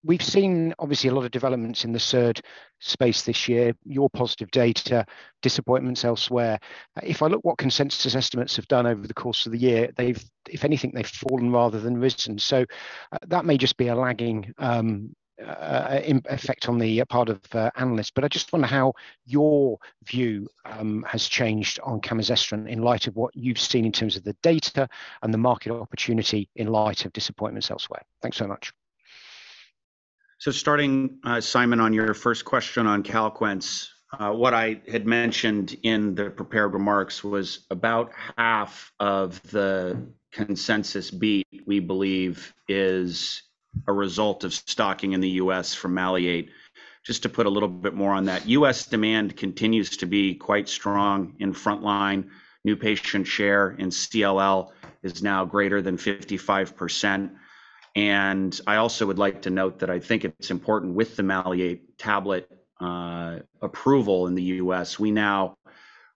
We've seen obviously a lot of developments in the SERD space this year, your positive data, disappointments elsewhere. If I look at what consensus estimates have done over the course of the year, they've, if anything, fallen rather than risen. That may just be a lagging effect on the part of analysts. I just wonder how your view has changed on camizestrant in light of what you've seen in terms of the data and the market opportunity in light of disappointments elsewhere? Thanks so much. Starting, Simon, on your first question on Calquen ce. What I had mentioned in the prepared remarks was about half of the consensus beat, we believe, is a result of stocking in the U.S. from maleate. Just to put a little bit more on that, U.S. demand continues to be quite strong in frontline. New patient share in CLL is now greater than 55%. I also would like to note that I think it's important with the maleate tablet, approval in the U.S., we now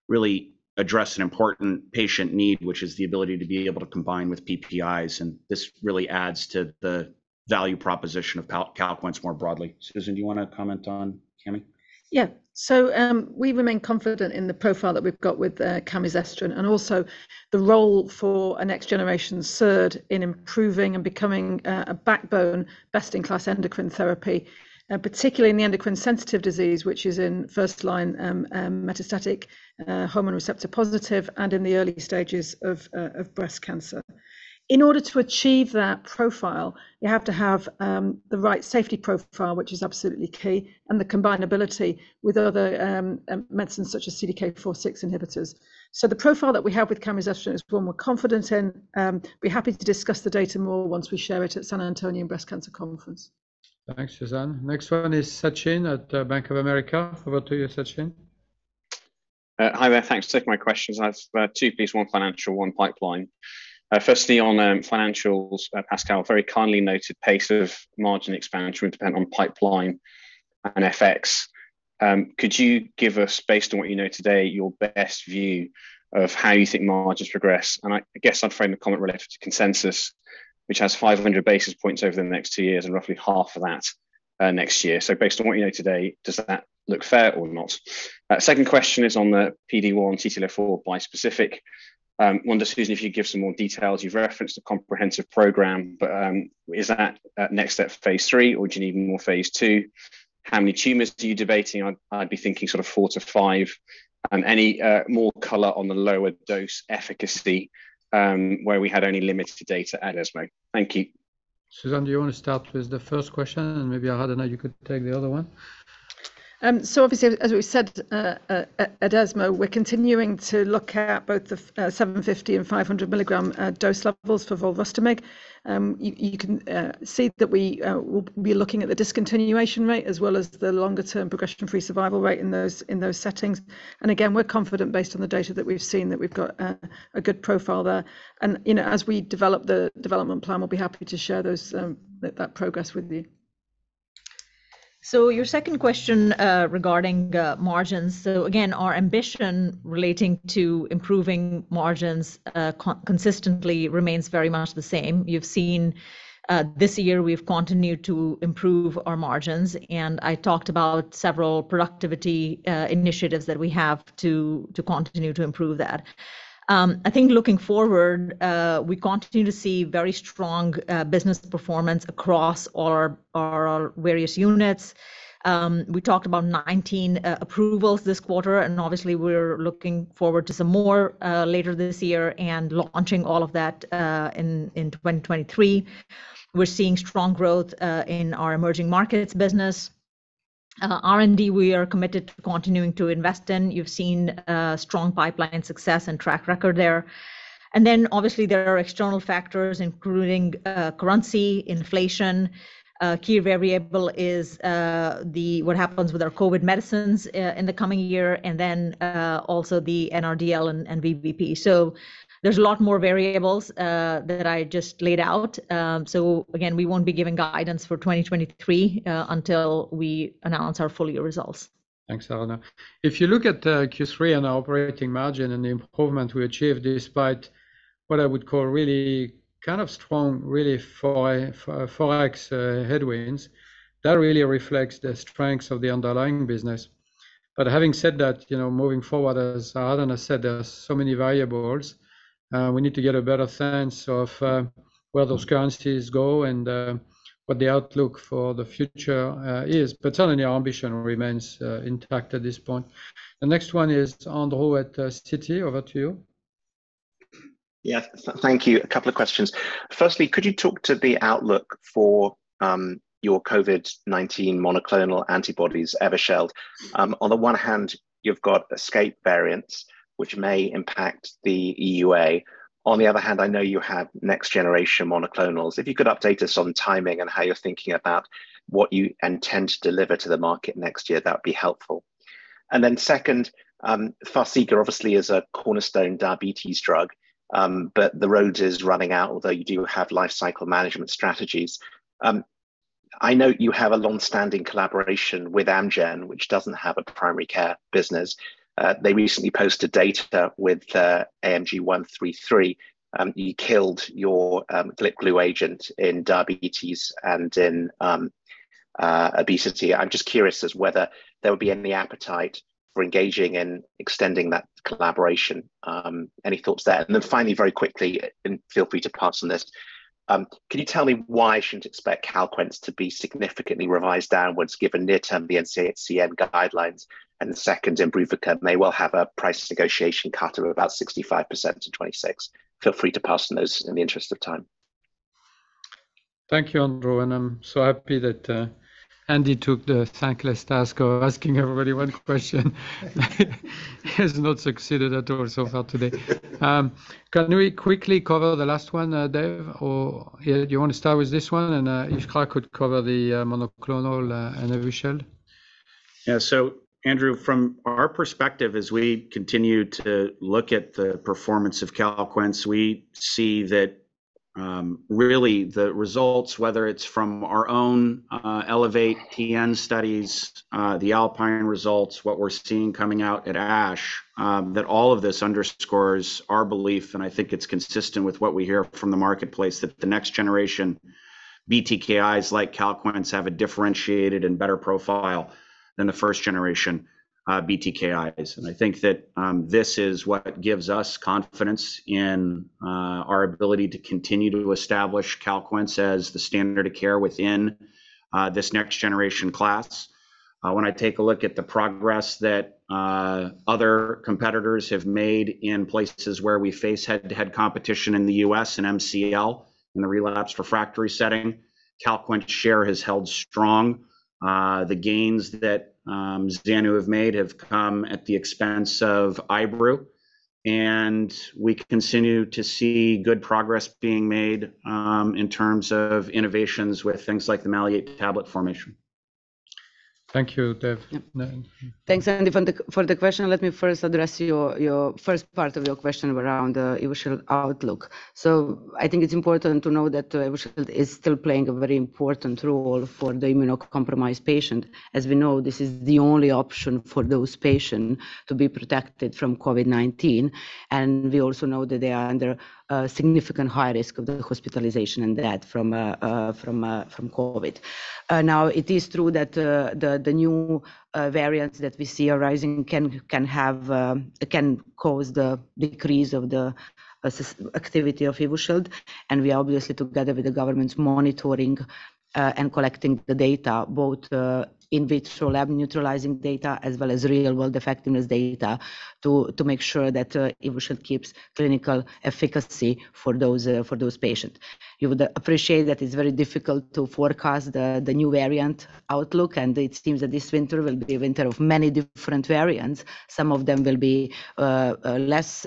really address an important patient need, which is the ability to be able to combine with PPIs. This really adds to the value proposition of Calquence more broadly. Susan, do you want to comment on camizestrant? Yeah. We remain confident in the profile that we've got with camizestrant, and also the role for a next-generation SERD in improving and becoming a backbone best-in-class endocrine therapy, particularly in the endocrine-sensitive disease, which is in first line metastatic hormone receptor positive and in the early stages of breast cancer. In order to achieve that profile, you have to have the right safety profile, which is absolutely key, and the combinability with other medicines such as CDK4/6 inhibitors. The profile that we have with camizestrant is one we're confident in. Be happy to discuss the data more once we share it at San Antonio Breast Cancer Symposium. Thanks, Susan. Next one is Sachin at Bank of America. Over to you, Sachin. Hi there. Thanks for taking my questions. I have two please, one financial, one pipeline. Firstly, on financials, Pascal very kindly noted pace of margin expansion would depend on pipeline and FX. Could you give us, based on what you know today, your best view of how you think margins progress? I guess I'd frame the comment related to consensus, which has 500 basis points over the next two years and roughly half of that next year. Based on what you know today, does that look fair or not? Second question is on the PD-1 CTLA-4 bispecific. I wonder, Susan, if you'd give some more details. You've referenced a comprehensive program, but is that next step phase III, or do you need more phase II? How many tumors are you debating on? I'd be thinking sort of 4-5. Any more color on the lower dose efficacy, where we had only limited data at ESMO? Thank you. Susan, do you want to start with the first question, and maybe Aradhana, you could take the other one Obviously, as we said, at ESMO, we're continuing to look at both the 750 and 500 milligram dose levels for volasertib. You can see that we will be looking at the discontinuation rate as well as the longer term progression-free survival rate in those settings. Again, we're confident based on the data that we've seen that we've got a good profile there. You know, as we develop the development plan, we'll be happy to share that progress with you. Your second question regarding margins. Again, our ambition relating to improving margins consistently remains very much the same. You've seen this year we've continued to improve our margins, and I talked about several productivity initiatives that we have to continue to improve that. I think looking forward, we continue to see very strong business performance across our various units. We talked about 19 approvals this quarter, and obviously we're looking forward to some more later this year and launching all of that in 2023. We're seeing strong growth in our emerging markets business. R&D, we are committed to continuing to invest in. You've seen strong pipeline success and track record there. Then obviously there are external factors including currency, inflation. A key variable is the. What happens with our COVID medicines in the coming year and then also the NRDL and VBP. There's a lot more variables that I just laid out. Again, we won't be giving guidance for 2023 until we announce our full year results. Thanks, Aradhana. If you look at Q3 and our operating margin and the improvement we achieved despite what I would call really kind of strong Forex headwinds, that really reflects the strengths of the underlying business. Having said that, you know, moving forward, as Aradhana said, there are so many variables. We need to get a better sense of where those currencies go and what the outlook for the future is. Certainly our ambition remains intact at this point. The next one is Andrew at Citi. Over to you. Yeah. Thank you. A couple of questions. Firstly, could you talk to the outlook for your COVID-19 monoclonal antibodies, Evusheld? On the one hand, you've got escape variants, which may impact the EUA. On the other hand, I know you have next generation monoclonals. If you could update us on timing and how you're thinking about what you intend to deliver to the market next year, that would be helpful. Second, Farxiga obviously is a cornerstone diabetes drug, but the road is running out, although you do have life cycle management strategies. I know you have a long-standing collaboration with Amgen, which doesn't have a primary care business. They recently posted data with AMG 133. You killed your GLP-1/glucagon agent in diabetes and in obesity. I'm just curious as to whether there would be any appetite for engaging in extending that collaboration. Any thoughts there? Finally, very quickly, and feel free to pass on this, can you tell me why I shouldn't expect Calquence to be significantly revised downwards given the near-term NCCN guidelines? Second, Imbruvica may well have a price negotiation cut of about 65% to 26%. Feel free to pass on those in the interest of time. Thank you, Andrew, and I'm so happy that Andy took the thankless task of asking everybody one question. He has not succeeded at all so far today. Can we quickly cover the last one, Dave? Or, yeah, do you want to start with this one? If Iskra could cover the monoclonal and Evusheld. Yeah. Andrew, from our perspective, as we continue to look at the performance of Calquence, we see that, really the results, whether it's from our own ELEVATE-TN studies, the ALPINE results, what we're seeing coming out at ASH, that all of this underscores our belief, and I think it's consistent with what we hear from the marketplace, that the next generation BTKIs like Calquence have a differentiated and better profile than the first generation BTKIs. I think that, this is what gives us confidence in our ability to continue to establish Calquence as the standard of care within this next generation class. When I take a look at the progress that other competitors have made in places where we face head-to-head competition in the U.S. and MCL in the relapsed refractory setting, Calquence share has held strong. The gains that Zanubrutinib have made have come at the expense of Ibrutinib, and we continue to see good progress being made in terms of innovations with things like the maleate tablet formulation. Thank you, Dave. Thanks, Andy. For the question, let me first address your first part of your question around Evusheld outlook. I think it's important to know that Evusheld is still playing a very important role for the immunocompromised patient. As we know, this is the only option for those patient to be protected from COVID-19, and we also know that they are under a significant high risk of the hospitalization and death from COVID. Now it is true that the new variants that we see arising can cause the decrease of the activity of Evusheld, and we obviously together with the governments monitoring and collecting the data both in vitro lab neutralizing data as well as real world effectiveness data to make sure that Evusheld keeps clinical efficacy for those patients. You would appreciate that it is very difficult to forecast the new variant outlook, and it seems that this winter will be winter of many different variants. Some of them will be less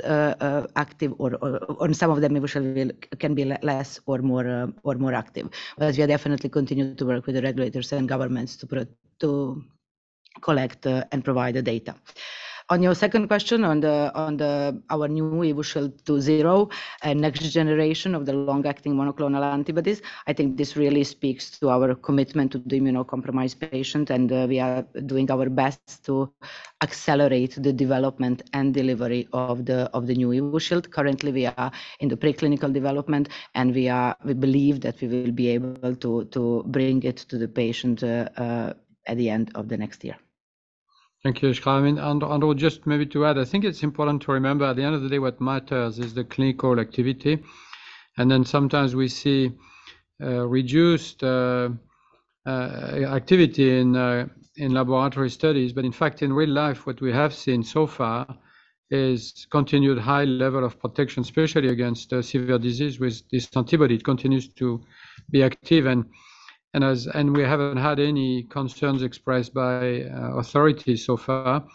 active or some of them Evusheld can be less or more active. We are definitely continuing to work with the regulators and governments to pro- to- Collect and provide the data. On your second question, on our new Evusheld 2.0 and next generation of the long-acting monoclonal antibodies, I think this really speaks to our commitment to the immunocompromised patient, and we are doing our best to accelerate the development and delivery of the new Evusheld. Currently, we are in the pre-clinical development, and we believe that we will be able to bring it to the patient at the end of the next year. Thank you, Iskra. I mean, and just maybe to add, I think it's important to remember at the end of the day what matters is the clinical activity. Then sometimes we see reduced activity in laboratory studies. In fact in real life what we have seen so far is continued high level of protection, especially against severe disease. With this antibody it continues to be active and we haven't had any concerns expressed by authorities so far.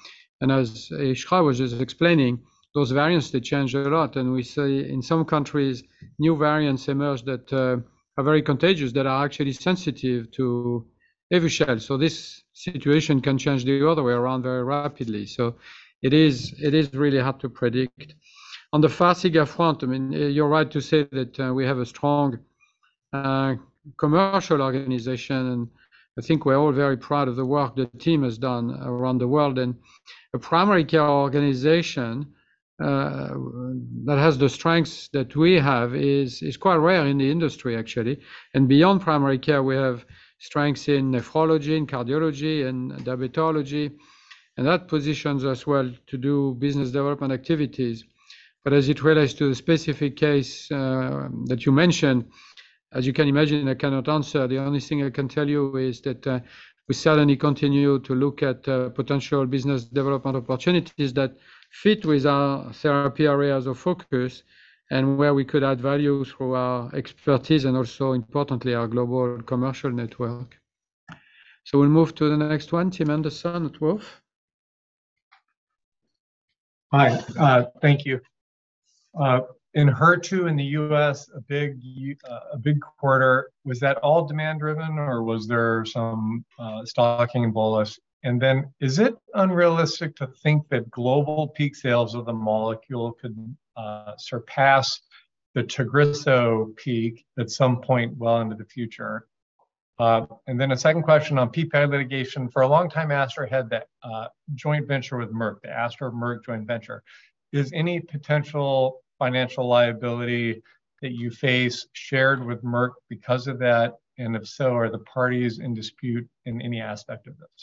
As Iskra was just explaining, those variants they change a lot. We see in some countries new variants emerge that are very contagious, that are actually sensitive to Evusheld. This situation can change the other way around very rapidly. It is really hard to predict. On the Farxiga front, I mean, you're right to say that, we have a strong, commercial organization. I think we're all very proud of the work the team has done around the world. A primary care organization that has the strengths that we have is quite rare in the industry actually. Beyond primary care we have strengths in nephrology and cardiology and dermatology, and that positions us well to do business development activities. As it relates to the specific case that you mentioned, as you can imagine, I cannot answer. The only thing I can tell you is that, we certainly continue to look at potential business development opportunities that fit with our therapy areas of focus and where we could add value through our expertise and also importantly our global commercial network. We'll move to the next one. Tim Anderson at Wolfe. Hi. Thank you. In HER2 in the U.S., a big quarter. Was that all demand driven or was there some stocking bolus? And then is it unrealistic to think that global peak sales of the molecule could surpass the Tagrisso peak at some point well into the future? And then a second question on PPI litigation. For a long time Astra had that joint venture with Merck, the Astra Merck joint venture. Is any potential financial liability that you face shared with Merck because of that? And if so, are the parties in dispute in any aspect of this?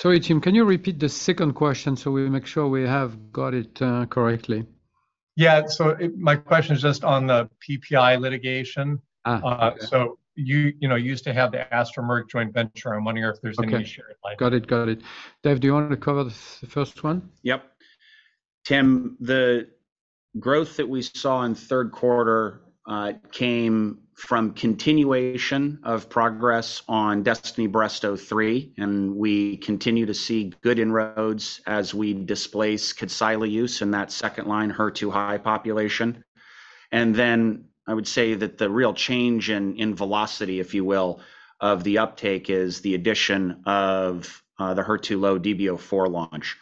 Sorry, Tim, can you repeat the second question so we make sure we have got it, correctly? My question is just on the PPI litigation. Okay. You know, you used to have the Astra Merck joint venture. I'm wondering if there's any? Okay Shared liability. Got it. Dave, do you want to cover the first one? Yep. Tim, the growth that we saw in the third quarter came from continuation of progress on DESTINY-Breast03, and we continue to see good inroads as we displace Kadcyla use in that second-line HER2-high population. Then I would say that the real change in velocity, if you will, of the uptake is the addition of the HER2-low DESTINY-Breast04 launch.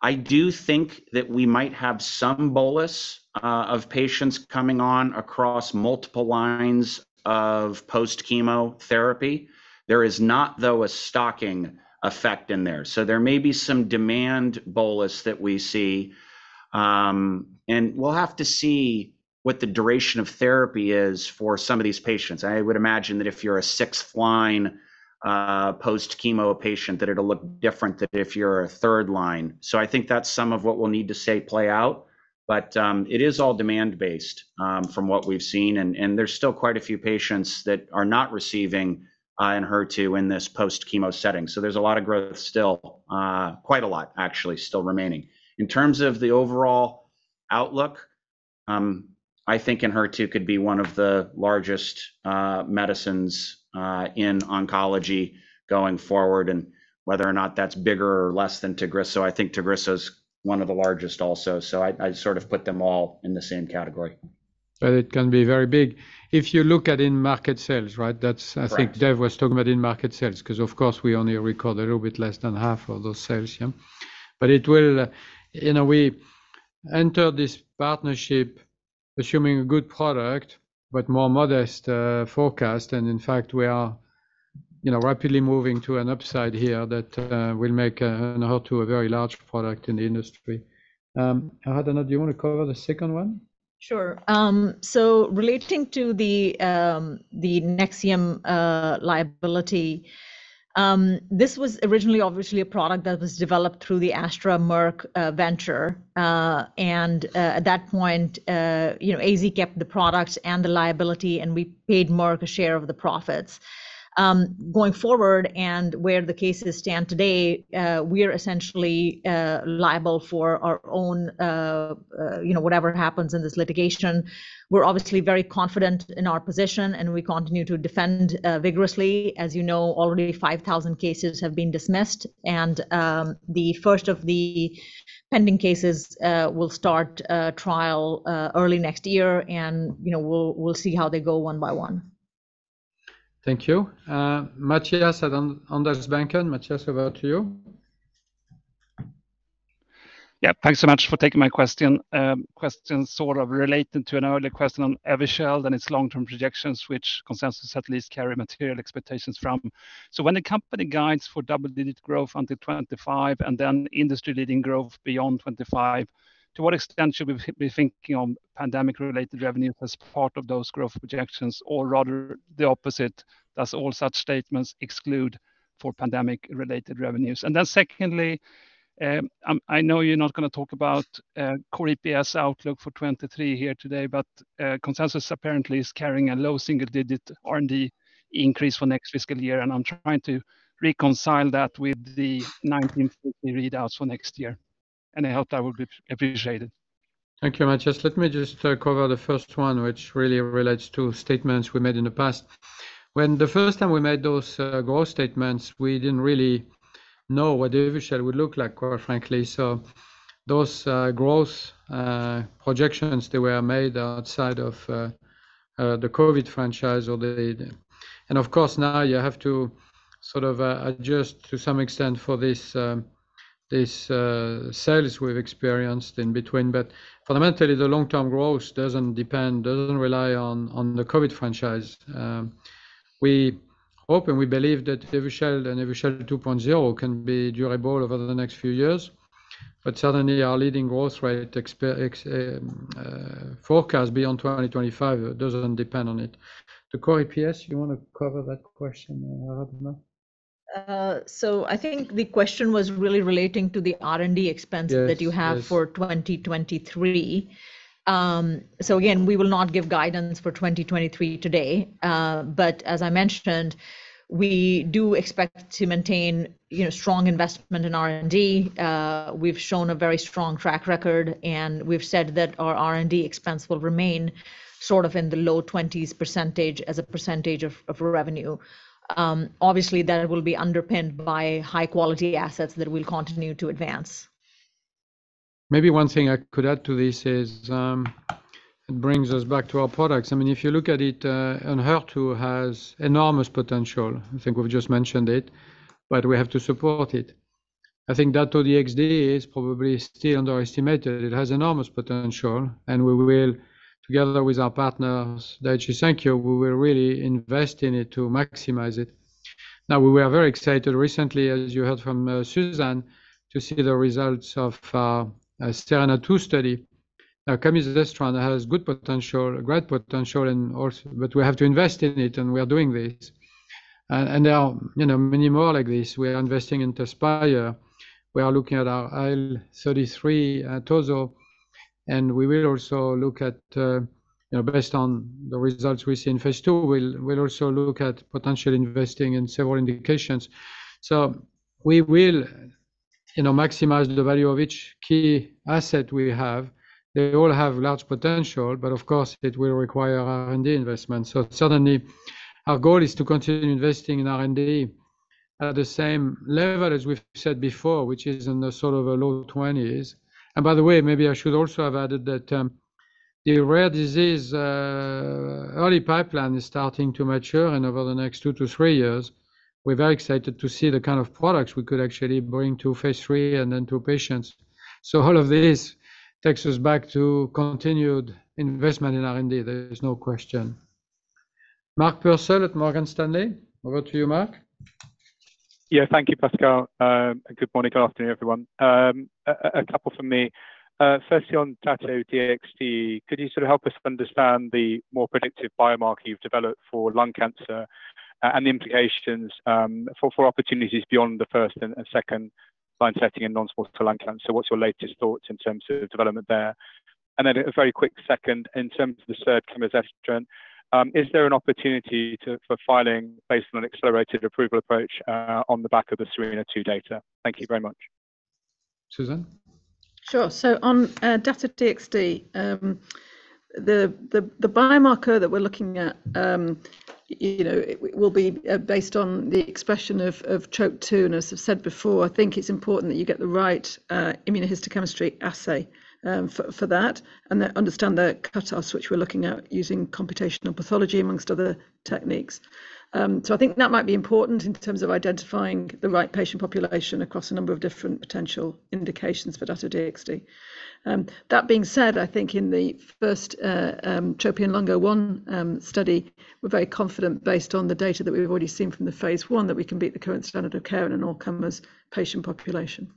I do think that we might have some bolus of patients coming on across multiple lines of post-chemotherapy. There is not, though, a stocking effect in there. There may be some demand bolus that we see, and we'll have to see what the duration of therapy is for some of these patients. I would imagine that if you're a sixth-line post-chemo patient that it'll look different than if you're a third-line. I think that's some of what we'll need to see play out. It is all demand-based, from what we've seen and there's still quite a few patients that are not receiving in HER2 in this post-chemo setting. There's a lot of growth still, quite a lot actually still remaining. In terms of the overall outlook, I think in HER2 could be one of the largest medicines in oncology going forward and whether or not that's bigger or less than Tagrisso. I think Tagrisso's one of the largest also, so I sort of put them all in the same category. It can be very big. If you look at in-market sales, right? Correct. I think Dave was talking about in-market sales, because of course we only record a little bit less than half of those sales. Yeah. It will, in a way, enter this partnership assuming a good product but more modest forecast. In fact we are, you know, rapidly moving to an upside here that will make an HER2 a very large product in the industry. Aradhana, do you want to cover the second one? Sure. So relating to the Nexium liability, this was originally obviously a product that was developed through the Astra Merck venture. And at that point, you know, AZ kept the product and the liability, and we paid Merck a share of the profits. Going forward and where the cases stand today, we're essentially liable for our own, you know, whatever happens in this litigation. We're obviously very confident in our position, and we continue to defend vigorously. As you know, already 5,000 cases have been dismissed, and the first of the pending cases will start trial early next year. You know, we'll see how they go one by one. Thank you. Mathias at Handelsbanken. Mathias, over to you. Thanks so much for taking my question. Question sort of related to an earlier question on Evusheld and its long-term projections, which consensus at least carry material expectations from. When the company guides for double-digit growth until 2025 and then industry-leading growth beyond 2025, to what extent should we be thinking on pandemic-related revenues as part of those growth projections? Or rather the opposite, does all such statements exclude for pandemic-related revenues? Secondly, I know you're not gonna talk about core EPS outlook for 2023 here today, but consensus apparently is carrying a low single digit R&D increase for next fiscal year, and I'm trying to reconcile that with the 1950 readouts for next year. I hope that would be appreciated. Thank you very much. Just let me cover the first one, which really relates to statements we made in the past. When the first time we made those growth statements, we didn't really know what Evusheld would look like, quite frankly. Those growth projections were made outside of the COVID franchise or the COVID franchise. Of course, now you have to sort of adjust to some extent for this sales we've experienced in between. Fundamentally, the long-term growth doesn't depend, doesn't rely on the COVID franchise. We hope and we believe that Evusheld and Evusheld 2.0 can be durable over the next few years. Certainly, our leading growth rate forecast beyond 2025 doesn't depend on it. The core EPS, you wanna cover that question, Aradhana? I think the question was really relating to the R&D expense. Yes, yes. that you have for 2023. Again, we will not give guidance for 2023 today. As I mentioned, we do expect to maintain, you know, strong investment in R&D. We've shown a very strong track record, and we've said that our R&D expense will remain sort of in the low 20%s as a percentage of revenue. Obviously, that will be underpinned by high quality assets that we'll continue to advance. Maybe one thing I could add to this is, it brings us back to our products. I mean, if you look at it, Enhertu has enormous potential. I think we've just mentioned it, but we have to support it. I think Dato-DXd is probably still underestimated. It has enormous potential, and we will, together with our partners, Daiichi Sankyo, really invest in it to maximize it. Now, we were very excited recently, as you heard from Susan, to see the results of SERENA-2 study. Now, camizestrant has good potential, great potential and also but we have to invest in it, and we are doing this. There are, you know, many more like this. We are investing in Tezspire. We are looking at our IL-33 tozorakimab, and we will also look at you know based on the results we see in phase II, we'll also look at potential investing in several indications. We will you know maximize the value of each key asset we have. They all have large potential, but of course, it will require R&D investment. Certainly our goal is to continue investing in R&D at the same level as we've said before, which is in the sort of low twenties. By the way, maybe I should also have added that the rare disease early pipeline is starting to mature and over the next two to three years, we're very excited to see the kind of products we could actually bring to phase III and then to patients. All of this takes us back to continued investment in R&D. There is no question. Mark Purcell at Morgan Stanley. Over to you, Mark. Yeah. Thank you, Pascal. Good morning, good afternoon, everyone. A couple for me. Firstly, on Dato-DXd, could you sort of help us understand the more predictive biomarker you've developed for lung cancer and the implications for opportunities beyond the first and second line setting in non-small cell lung cancer? What's your latest thoughts in terms of development there? Then a very quick second. In terms of camizestrant, is there an opportunity for filing based on an accelerated approval approach on the back of the SERENA-2 data? Thank you very much. Susan? Sure. On Dato-DXd, the biomarker that we're looking at, you know, it will be based on the expression of TROP-2, and as I've said before, I think it's important that you get the right immunohistochemistry assay for that, and then understand the cutoffs, which we're looking at using computational pathology among other techniques. I think that might be important in terms of identifying the right patient population across a number of different potential indications for Dato-DXd. That being said, I think in the first TROPION-Lung01 study, we're very confident based on the data that we've already seen from the phase one that we can beat the current standard of care in an all-comers patient population.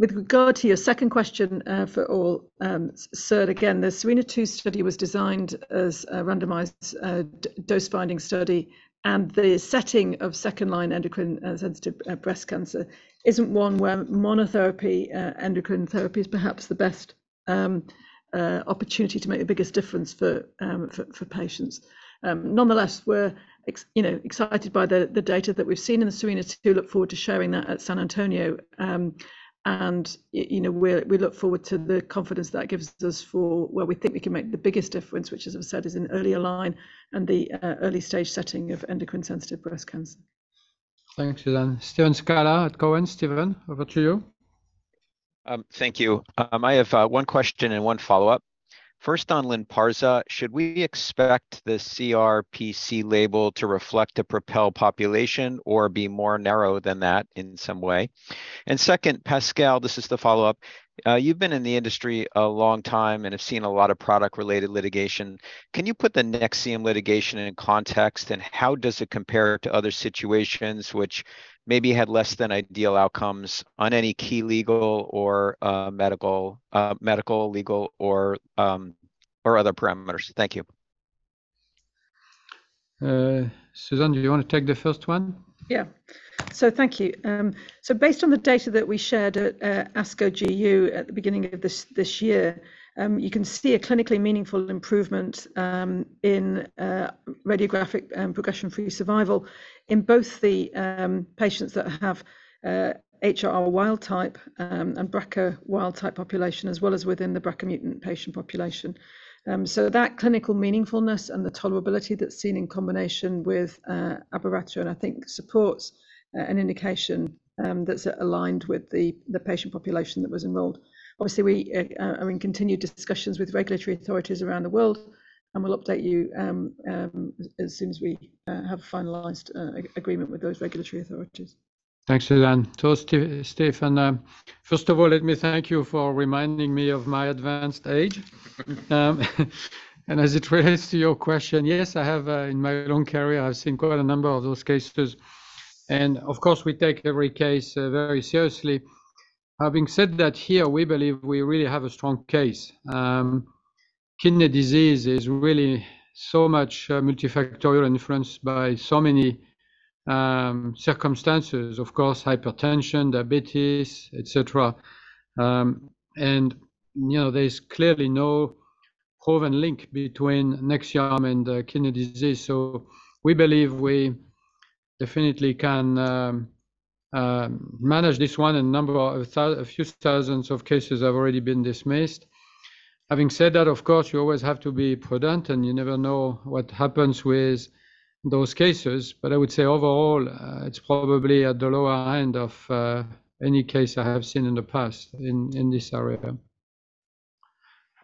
With regard to your second question, again, the SERENA-2 study was designed as a randomized, dose-finding study, and the setting of second-line endocrine-sensitive breast cancer isn't one where monotherapy endocrine therapy is perhaps the best opportunity to make the biggest difference for patients. Nonetheless, we're, you know, excited by the data that we've seen in the SERENA-2. Look forward to sharing that at San Antonio. You know, we look forward to the confidence that gives us for where we think we can make the biggest difference, which as I've said, is in earlier-line and the early-stage setting of endocrine-sensitive breast cancer. Thanks, Susan. Steven Scala at Cowen. Stephen, over to you. Thank you. I have one question and one follow-up. First on Lynparza, should we expect the CRPC label to reflect a PROpel population or be more narrow than that in some way? Second, Pascal, this is the follow-up. You've been in the industry a long time and have seen a lot of product-related litigation. Can you put the Nexium litigation in context, and how does it compare to other situations which maybe had less than ideal outcomes on any key legal or medical, legal, or other parameters? Thank you. Susan, do you wanna take the first one? Thank you. Based on the data that we shared at ASCO GU at the beginning of this year, you can see a clinically meaningful improvement in radiographic progression-free survival in both the patients that have HR wild type and BRCA wild type population, as well as within the BRCA-mutant patient population. That clinical meaningfulness and the tolerability that's seen in combination with abiraterone, and I think supports an indication that's aligned with the patient population that was enrolled. Obviously, we are in continued discussions with regulatory authorities around the world, and we'll update you as soon as we have finalized an agreement with those regulatory authorities. Thanks, Susan. Stephen, first of all, let me thank you for reminding me of my advanced age. As it relates to your question, yes, I have, in my long career, I've seen quite a number of those cases. Of course, we take every case very seriously. Having said that, here, we believe we really have a strong case. Kidney disease is really so much multifactorial influenced by so many circumstances, of course, hypertension, diabetes, etc. You know, there is clearly no proven link between Nexium and kidney disease. We believe we definitely can manage this one. A few thousands of cases have already been dismissed. Having said that, of course, you always have to be prudent, and you never know what happens with those cases. I would say overall, it's probably at the lower end of any case I have seen in the past in this area.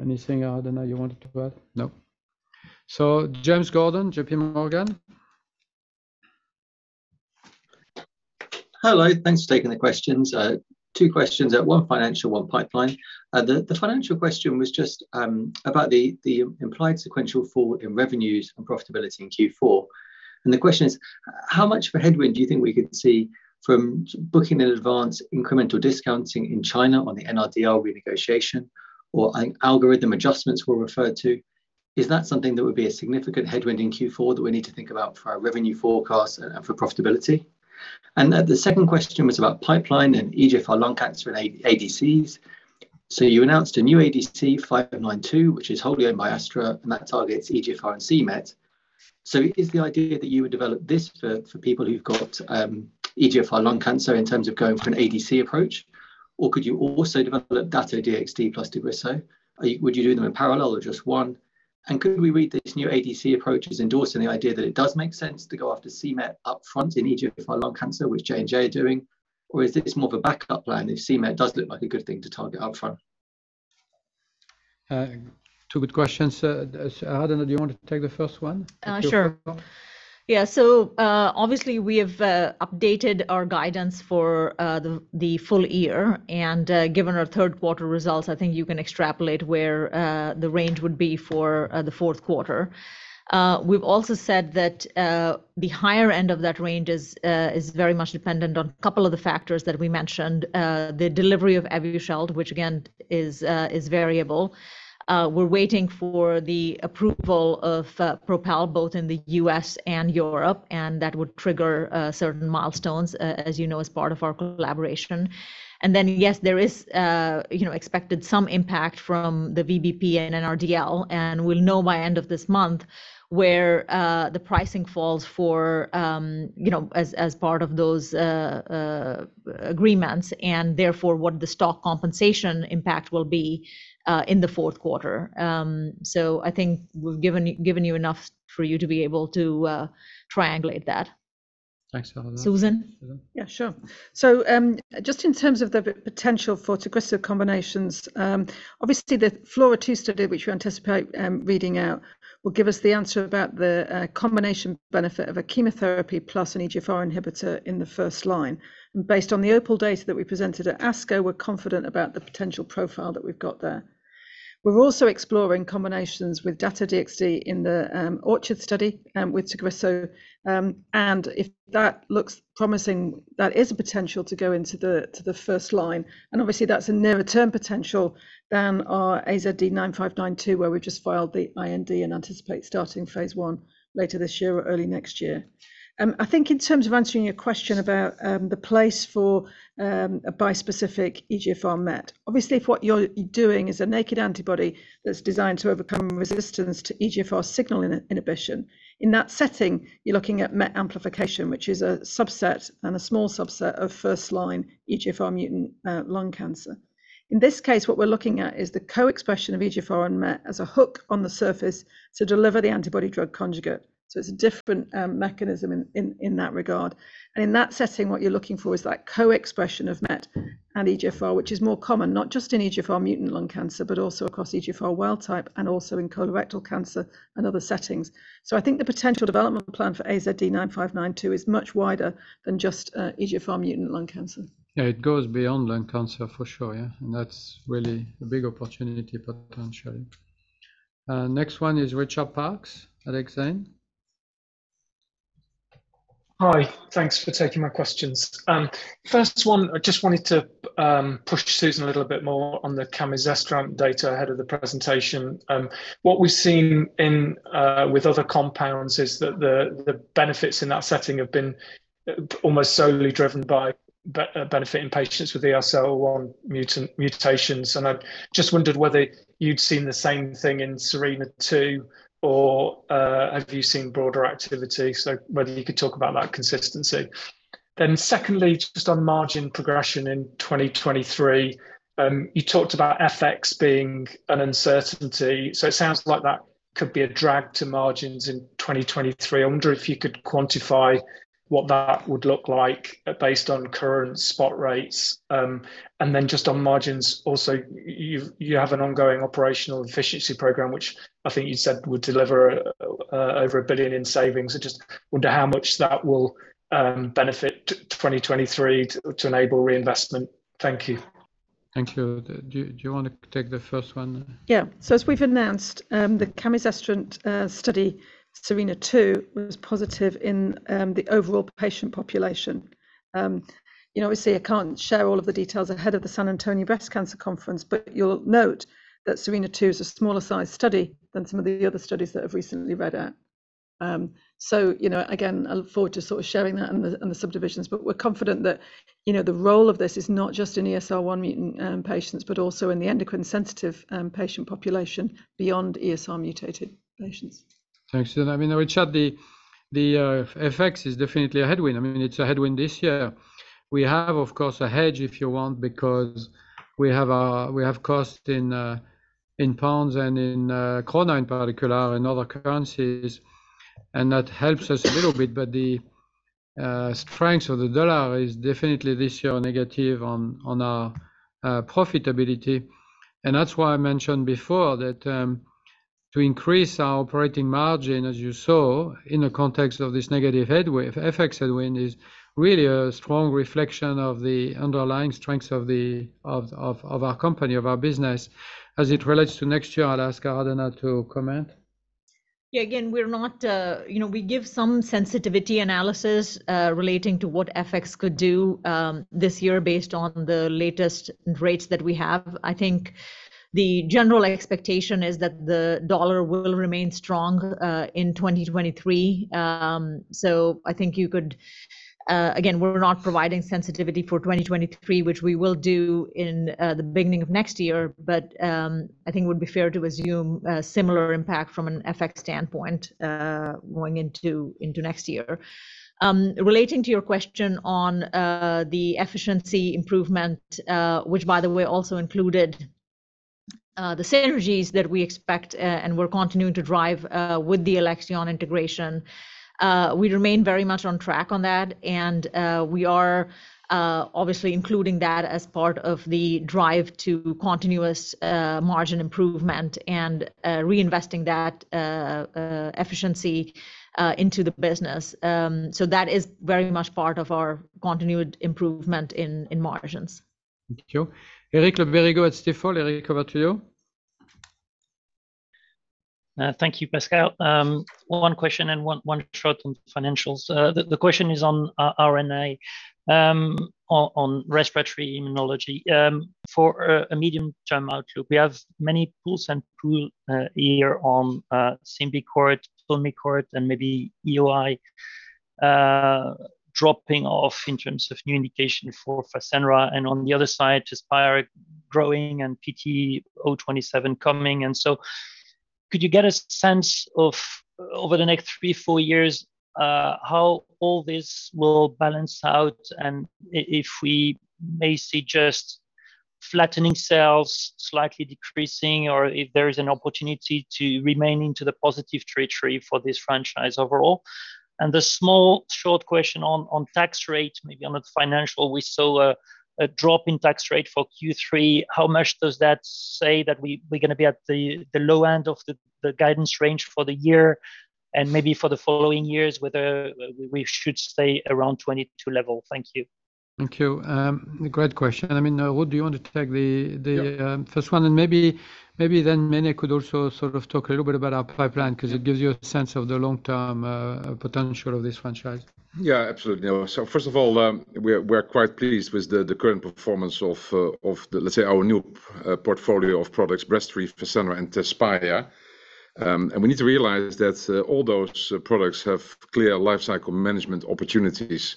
Anything, Aradhana Sarin, you wanted to add? No. James Gordon, JPMorgan. Hello. Thanks for taking the questions. Two questions, one financial, one pipeline. The financial question was just about the implied sequential fall in revenues and profitability in Q4. The question is, how much of a headwind do you think we could see from pre-booking in advance incremental discounting in China on the NRDL renegotiation or algorithm adjustments were referred to? Is that something that would be a significant headwind in Q4 that we need to think about for our revenue forecast and for profitability? The second question was about pipeline and EGFR lung cancer and ADCs. You announced a new ADC, AZD9592, which is wholly owned by Astra, and that targets EGFR and c-Met. Is the idea that you would develop this for people who've got EGFR lung cancer in terms of going for an ADC approach? Or could you also develop Dato-DXd plus Tagrisso? Would you do them in parallel or just one? And could we read this new ADC approach as endorsing the idea that it does make sense to go after c-Met upfront in EGFR lung cancer, which J&J are doing? Or is this more of a backup plan if c-Met does look like a good thing to target up front? Two good questions. Aradhana Sarin, do you want to take the first one? Sure. Obviously, we have updated our guidance for the full year. Given our third quarter results, I think you can extrapolate where the range would be for the fourth quarter. We've also said that the higher end of that range is very much dependent on a couple of the factors that we mentioned. The delivery of Evusheld, which again is variable. We're waiting for the approval of PROpel both in the U.S. and Europe, and that would trigger certain milestones, as you know, as part of our collaboration. Yes, there is, you know, expected some impact from the VBP and NRDL. We'll know by end of this month where the pricing falls for, you know, as part of those agreements and therefore what the stock compensation impact will be in the fourth quarter. I think we've given you enough for you to be able to triangulate that. Thanks for all of that. Susan? Susan? Yeah, sure. Just in terms of the potential for Tagrisso combinations, obviously the FLAURA 2 study, which we anticipate reading out, will give us the answer about the combination benefit of a chemotherapy plus an EGFR inhibitor in the first line. Based on the OPAL data that we presented at ASCO, we're confident about the potential profile that we've got there. We're also exploring combinations with Dato-DXd in the ORCHARD study with Tagrisso. If that looks promising, that is a potential to go into the first line. Obviously, that's a nearer term potential than our AZD9592, where we've just filed the IND and anticipate starting phase one later this year or early next year. I think in terms of answering your question about the place for a bispecific EGFR MET, obviously if what you're doing is a naked antibody that's designed to overcome resistance to EGFR signal inhibition, in that setting, you're looking at MET amplification, which is a subset and a small subset of first-line EGFR mutant lung cancer. In this case, what we're looking at is the co-expression of EGFR and MET as a hook on the surface to deliver the antibody drug conjugate. So it's a different mechanism in that regard. In that setting, what you're looking for is that co-expression of MET and EGFR, which is more common, not just in EGFR mutant lung cancer, but also across EGFR wild type and also in colorectal cancer and other settings. I think the potential development plan for AZD9592 is much wider than just EGFR mutant lung cancer. Yeah, it goes beyond lung cancer for sure, yeah. That's really a big opportunity potentially. Next one is Richard Parkes, Alexion. Hi. Thanks for taking my questions. First one, I just wanted to push Susan a little bit more on the camizestrant data ahead of the presentation. What we've seen with other compounds is that the benefits in that setting have been almost solely driven by benefiting patients with the ESR1 mutations. I just wondered whether you'd seen the same thing in SERENA-2, or have you seen broader activity? Whether you could talk about that consistency. Secondly, just on margin progression in 2023, you talked about FX being an uncertainty, so it sounds like that could be a drag to margins in 2023. I wonder if you could quantify what that would look like based on current spot rates. Just on margins also, you have an ongoing operational efficiency program, which I think you said would deliver over $1 billion in savings. I just wonder how much that will benefit 2023 to enable reinvestment. Thank you. Thank you. Do you wanna take the first one? Yeah. As we've announced, the camizestrant study, SERENA-2, was positive in the overall patient population. You know, obviously, I can't share all of the details ahead of the San Antonio Breast Cancer Symposium, but you'll note that SERENA-2 is a smaller size study than some of the other studies that have recently read out. You know, again, I look forward to sort of sharing that and the subdivisions, but we're confident that, you know, the role of this is not just in ESR1 mutant patients, but also in the endocrine sensitive patient population beyond ESR1 mutated patients. Thanks, Susan. I mean, Richard, FX is definitely a headwind. I mean, it's a headwind this year. We have, of course, a hedge, if you want, because we have costs in pounds and in krona in particular, and other currencies, and that helps us a little bit. The strength of the dollar is definitely this year negative on our profitability. That's why I mentioned before that to increase our operating margin, as you saw, in the context of this negative headwind, FX headwind is really a strong reflection of the underlying strengths of our company, of our business. As it relates to next year, I'll ask Aradhana to comment. Again, we're not. You know, we give some sensitivity analysis relating to what FX could do this year based on the latest rates that we have. I think the general expectation is that the dollar will remain strong in 2023. I think you could. Again, we're not providing sensitivity for 2023, which we will do in the beginning of next year. I think it would be fair to assume a similar impact from an FX standpoint going into next year. Relating to your question on the efficiency improvement, which by the way also included the synergies that we expect and we're continuing to drive with the Alexion integration. We remain very much on track on that, and we are obviously including that as part of the drive to continuous margin improvement and reinvesting that efficiency into the business. That is very much part of our continued improvement in margins. Thank you. Eric Le Berrigaud at Stifel. Eric, over to you. Thank you, Pascal. One question and one short on financials. The question is on R&I, on respiratory immunology. For a medium-term outlook, we have many pools on Symbicort, Pulmicort, and maybe EoE dropping off in terms of new indication for Fasenra. On the other side, Tezspire growing and PT-027 coming. Could you get a sense of over the next three, four years, how all this will balance out and if we may see just flattening sales slightly decreasing or if there is an opportunity to remain into the positive territory for this franchise overall? A small short question on tax rate, maybe on the financial. We saw a drop in tax rate for Q3. How much does that say that we're gonna be at the low end of the guidance range for the year and maybe for the following years, whether we should stay around 22 level? Thank you. Thank you. Great question. I mean, Ruud, do you want to take the first one? Maybe then Mene could also sort of talk a little bit about our pipeline 'cause it gives you a sense of the long-term potential of this franchise. Yeah, absolutely. First of all, we're quite pleased with the current performance of the, let's say, our new portfolio of products, Breztri, Fasenra, and Tezspire. We need to realize that all those products have clear lifecycle management opportunities.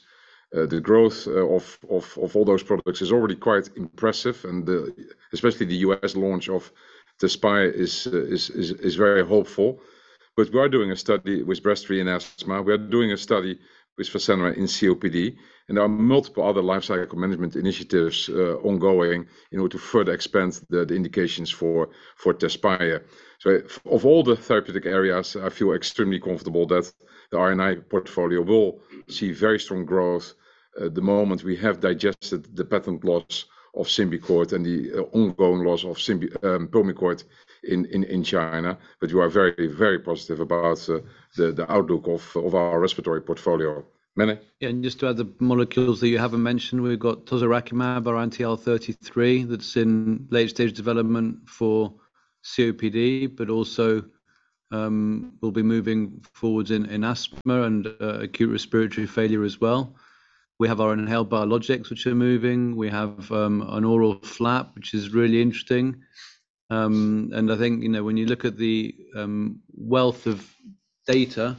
The growth of all those products is already quite impressive, and especially the U.S. launch of Tezspire is very hopeful. We are doing a study with Breztri in asthma. We are doing a study with Fasenra in COPD. There are multiple other lifecycle management initiatives ongoing in order to further expand the indications for Tezspire. Of all the therapeutic areas, I feel extremely comfortable that the RNI portfolio will see very strong growth. At the moment, we have digested the patent loss of Symbicort and the ongoing loss of Pulmicort in China. We are very positive about the outlook of our respiratory portfolio. Mene? Yeah. Just to add the molecules that you haven't mentioned, we've got tozorakimab or anti-IL-33 that's in late-stage development for- COPD, but also, we'll be moving forward in asthma and acute respiratory failure as well. We have our inhaled biologics which are moving. We have an oral flap, which is really interesting. I think, you know, when you look at the wealth of data,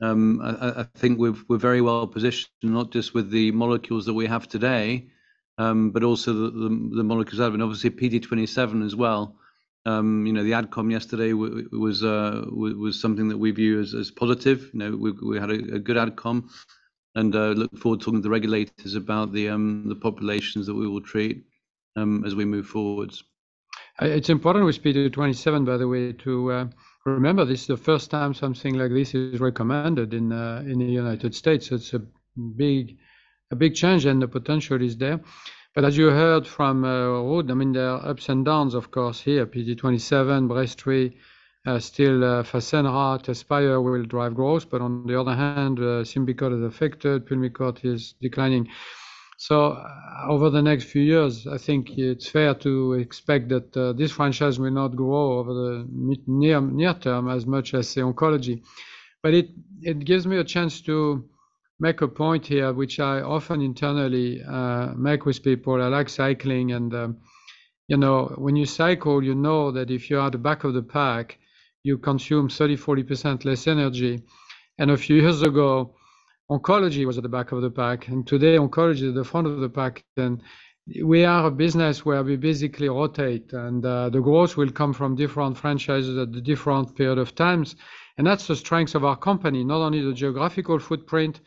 I think we're very well-positioned, not just with the molecules that we have today, but also the molecules that have been obviously PT027 as well. You know, the outcome yesterday was something that we view as positive. You know, we had a good outcome and look forward to talking to the regulators about the populations that we will treat, as we move forward. It's important with PT027, by the way, to remember this is the first time something like this is recommended in the United States. It's a big change, and the potential is there. As you heard from Ruud, I mean, there are ups and downs, of course, here. PT027, Breztri, still, for Fasenra, Tezspire will drive growth. On the other hand, Symbicort is affected, Pulmicort is declining. Over the next few years, I think it's fair to expect that this franchise may not grow over the near term as much as, say, oncology. It gives me a chance to make a point here, which I often internally make with people. I like cycling and, you know, when you cycle, you know that if you are the back of the pack, you consume 30%-40% less energy. A few years ago, oncology was at the back of the pack, and today oncology is at the front of the pack. We are a business where we basically rotate, and, the growth will come from different franchises at the different period of times. That's the strength of our company, not only the geographical footprint.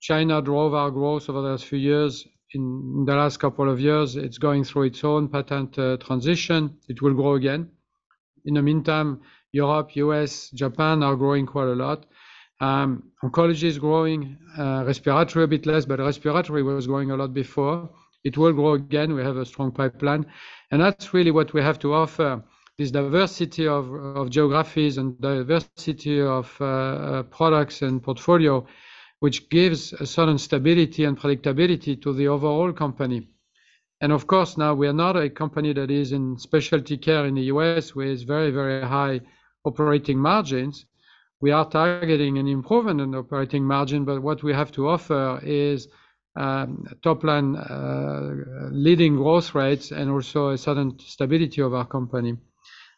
China drove our growth over the last few years. In the last couple of years, it's going through its own patent transition. It will grow again. In the meantime, Europe, U.S., Japan are growing quite a lot. Oncology is growing, respiratory a bit less, but respiratory was growing a lot before. It will grow again. We have a strong pipeline. That's really what we have to offer, this diversity of geographies and diversity of products and portfolio, which gives a certain stability and predictability to the overall company. Of course, now we are not a company that is in specialty care in the U.S. with very, very high operating margins. We are targeting an improvement in operating margin, but what we have to offer is top line leading growth rates and also a certain stability of our company.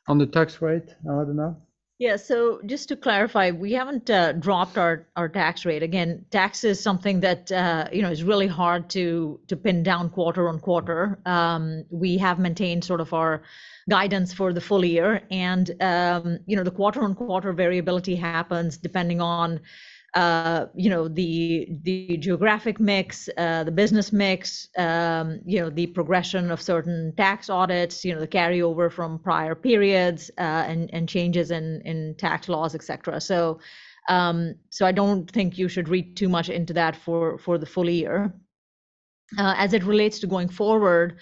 On the tax rate, Aradhana? Yeah. Just to clarify, we haven't dropped our tax rate. Again, tax is something that you know is really hard to pin down quarter-on-quarter. We have maintained sort of our guidance for the full year and you know the quarter-on-quarter variability happens depending on you know the geographic mix the business mix you know the progression of certain tax audits you know the carryover from prior periods and changes in tax laws etc. I don't think you should read too much into that for the full year. As it relates to going forward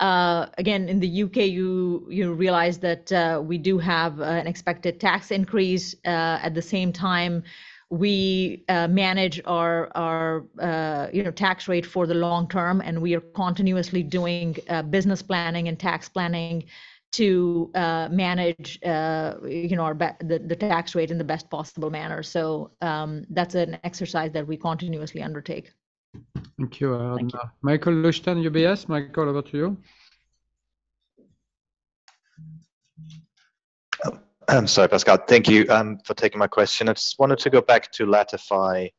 again in the U.K. you realize that we do have an expected tax increase. At the same time, we manage our tax rate for the long term, and we are continuously doing business planning and tax planning to manage you know our the tax rate in the best possible manner. That's an exercise that we continuously undertake. Thank you. Thank you. Michael Leuchten, UBS. Michael, over to you. Sorry, Pascal. Thank you for taking my question. I just wanted to go back to LATIFY,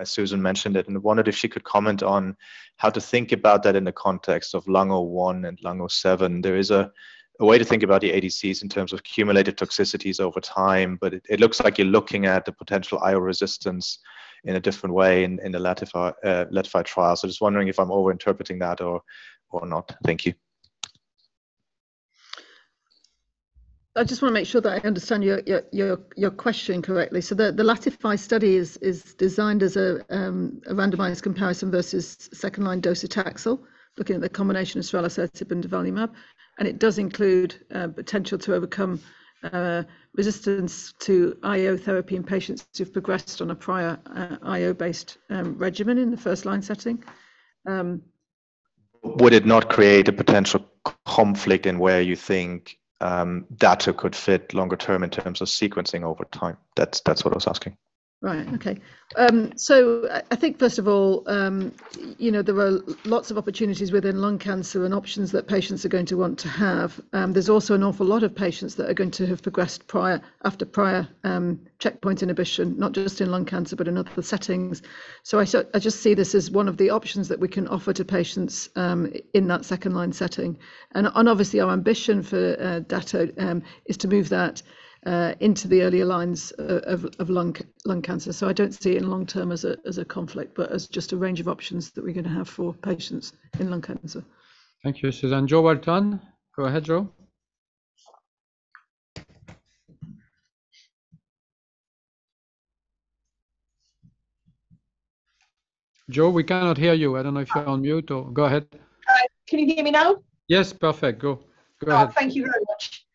as Susan mentioned it, and wondered if she could comment on how to think about that in the context of TROPION-Lung01 and TROPION-Lung07. There is a way to think about the ADCs in terms of cumulative toxicities over time, but it looks like you're looking at the potential IO resistance in a different way in the LATIFY trial. Just wondering if I'm over-interpreting that or not. Thank you. I just wanna make sure that I understand your question correctly. The LATIFY study is designed as a randomized comparison versus second-line docetaxel, looking at the combination of ceralasertib and durvalumab. It does include potential to overcome resistance to IO therapy in patients who've progressed on a prior IO-based regimen in the first-line setting. Would it not create a potential conflict in where you think, data could fit longer term in terms of sequencing over time? That's what I was asking. Right. Okay. I think first of all, you know, there are lots of opportunities within lung cancer and options that patients are going to want to have. There's also an awful lot of patients that are going to have progressed after prior checkpoint inhibition, not just in lung cancer, but in other settings. I just see this as one of the options that we can offer to patients in that second-line setting. And obviously our ambition for Dato-DXd is to move that into the earlier lines of lung cancer. I don't see it in long term as a conflict, but as just a range of options that we're gonna have for patients in lung cancer. Thank you, Susan. Jo Walton. Go ahead, Jo. Jo, we cannot hear you. I don't know if you're on mute. Go ahead. Hi, can you hear me now? Yes. Perfect. Go ahead. Thank you very much.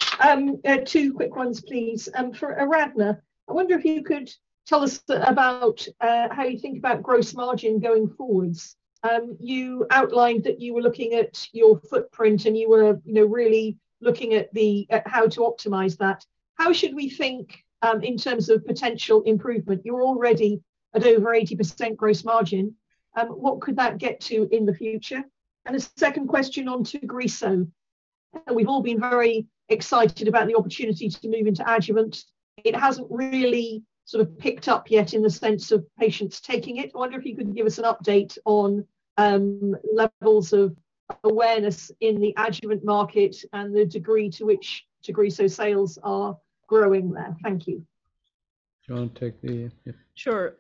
Two quick ones, please. For Aradhana Sarin, I wonder if you could tell us about how you think about gross margin going forward. You outlined that you were looking at your footprint and you were, you know, really looking at how to optimize that. How should we think in terms of potential improvement? You're already at over 80% gross margin. What could that get to in the future? A second question on Tagrisso. We've all been very excited about the opportunity to move into adjuvant. It hasn't really sort of picked up yet in the sense of patients taking it. I wonder if you could give us an update on levels of awareness in the adjuvant market and the degree to which Tagrisso sales are growing there. Thank you. Yeah. Sure.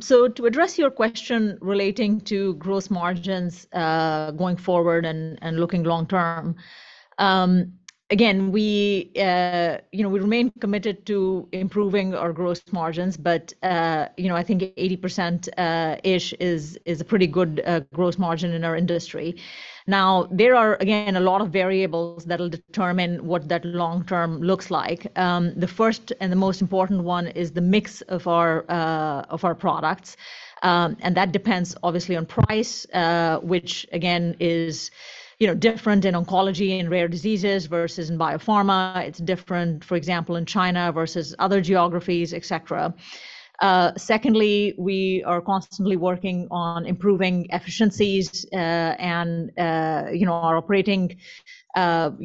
So to address your question relating to gross margins, going forward and looking long term, again, you know, we remain committed to improving our gross margins. You know, I think 80% ish is a pretty good gross margin in our industry. Now, there are, again, a lot of variables that'll determine what that long term looks like. The first and the most important one is the mix of our products. That depends obviously on price, which again is, you know, different in oncology and rare diseases versus in biopharma. It's different, for example, in China versus other geographies, etc. Secondly, we are constantly working on improving efficiencies, and you know, our operating,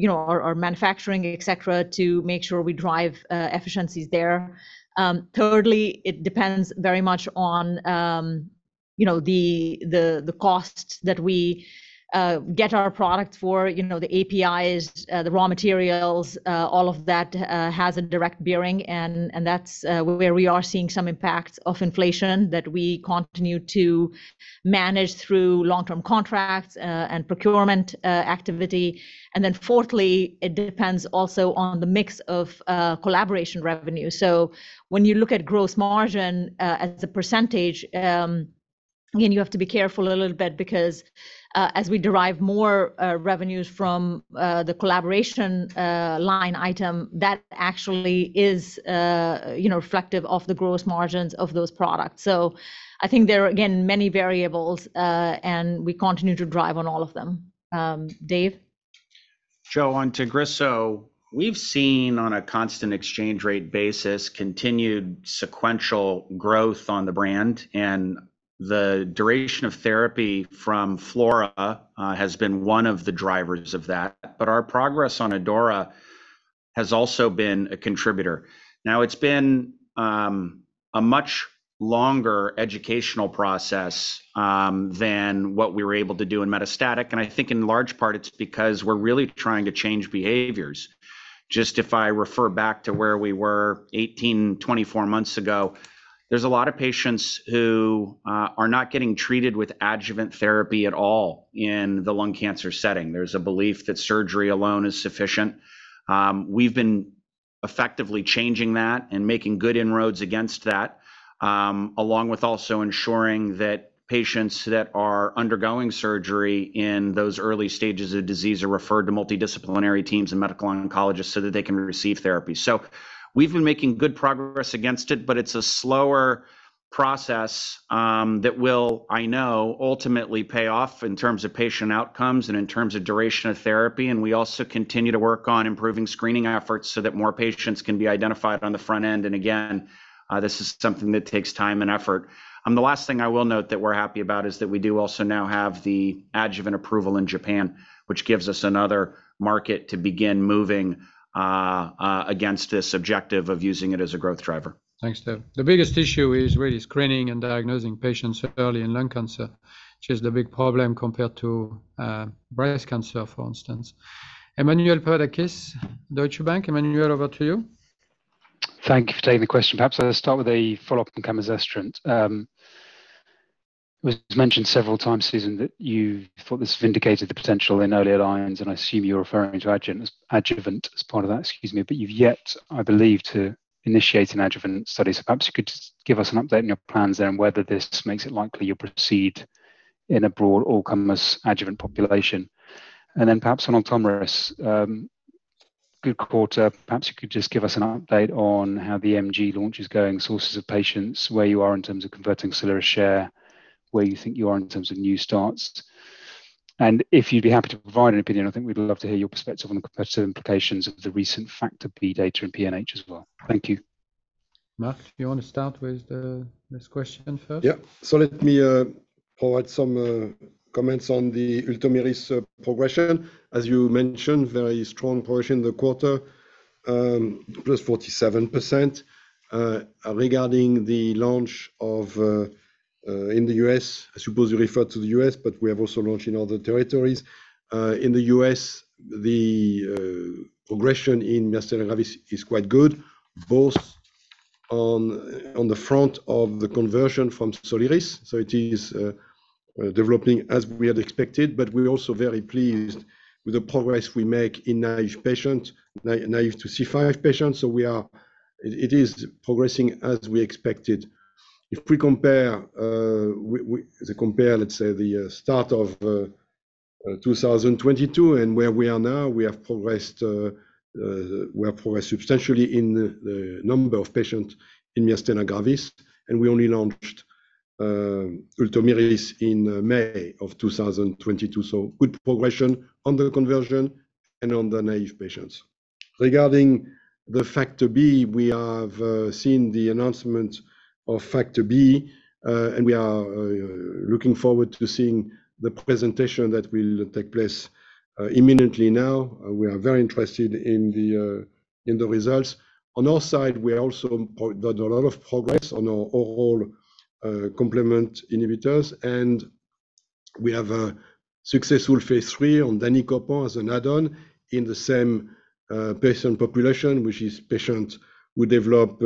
you know, our manufacturing, etc, to make sure we drive efficiencies there. Thirdly, it depends very much on you know, the costs that we get our product for. You know, the APIs, the raw materials, all of that has a direct bearing, and that's where we are seeing some impact of inflation that we continue to manage through long-term contracts and procurement activity. Then fourthly, it depends also on the mix of collaboration revenue. When you look at gross margin, as a percentage, again, you have to be careful a little bit because as we derive more revenues from the collaboration line item, that actually is, you know, reflective of the gross margins of those products. I think there are, again, many variables, and we continue to drive on all of them. Dave? Joe, on Tagrisso, we've seen on a constant exchange rate basis, continued sequential growth on the brand, and the duration of therapy from FLAURA has been one of the drivers of that. Our progress on ADAURA has also been a contributor. Now, it's been a much longer educational process than what we were able to do in metastatic. I think in large part it's because we're really trying to change behaviors. Just if I refer back to where we were 18, 24 months ago, there's a lot of patients who are not getting treated with adjuvant therapy at all in the lung cancer setting. There's a belief that surgery alone is sufficient. We've been effectively changing that and making good inroads against that, along with also ensuring that patients that are undergoing surgery in those early stages of disease are referred to multidisciplinary teams and medical oncologists so that they can receive therapy. We've been making good progress against it, but it's a slower process that will, I know, ultimately pay off in terms of patient outcomes and in terms of duration of therapy. We also continue to work on improving screening efforts so that more patients can be identified on the front end. This is something that takes time and effort. The last thing I will note that we're happy about is that we do also now have the adjuvant approval in Japan, which gives us another market to begin moving against this objective of using it as a growth driver. Thanks, Dave. The biggest issue is really screening and diagnosing patients early in lung cancer, which is the big problem compared to, breast cancer, for instance. Emmanuel Papadakis, Deutsche Bank. Emmanuel, over to you. Thank you for taking the question. Perhaps I'll start with a follow-up on camizestrant. It was mentioned several times, Susan, that you thought this vindicated the potential in earlier lines, and I assume you're referring to adjuvant as part of that. Excuse me. But you've yet, I believe, to initiate an adjuvant study. Perhaps you could give us an update on your plans there and whether this makes it likely you'll proceed in a broad all-comers adjuvant population. Perhaps on Ultomiris. Good quarter. Perhaps you could just give us an update on how the MG launch is going, sources of patients, where you are in terms of converting Soliris share, where you think you are in terms of new starts. If you'd be happy to provide an opinion, I think we'd love to hear your perspective on the competitive implications of the recent Factor B data in PNH as well. Thank you. Marc, you want to start with this question first? Let me provide some comments on the Ultomiris progression. As you mentioned, very strong progression in the quarter, plus 47%. Regarding the launch of in the U.S., I suppose you refer to the U.S., but we have also launched in other territories. In the U.S., the progression in Ultomiris is quite good, both on the front of the conversion from Soliris, so it is developing as we had expected. But we're also very pleased with the progress we make in naive patients, naive to C5 patients. It is progressing as we expected. If we compare, as we compare, let's say the start of 2022 and where we are now, we have progressed substantially in the number of patients in myasthenia gravis, and we only launched Ultomiris in May of 2022. Good progression on the conversion and on the naive patients. Regarding the Factor B, we have seen the announcement of Factor B, and we are looking forward to seeing the presentation that will take place imminently now. We are very interested in the results. On our side, we also made a lot of progress on our oral complement inhibitors, and we have a successful phase III on Danicopan as an add-on in the same patient population, which is patients who develop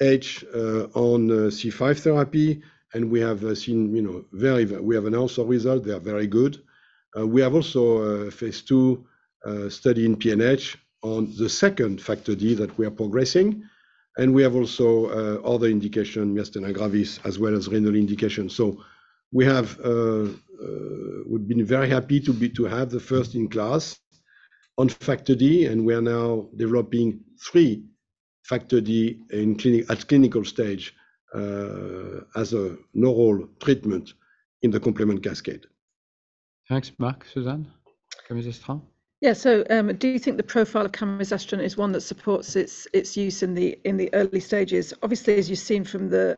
EVH on C5 therapy. We have seen, you know, very good results. We have announced our results. They are very good. We have also a phase II study in PNH on the second Factor D that we are progressing. We have also other indications, myasthenia gravis as well as renal indications. We've been very happy to have the first-in-class on Factor D, and we are now developing three Factor D at clinical stage as a novel treatment in the complement cascade. Thanks, Marc. Susan, camizestrant. Yeah. Do you think the profile of camizestrant is one that supports its use in the early stages? Obviously, as you've seen from the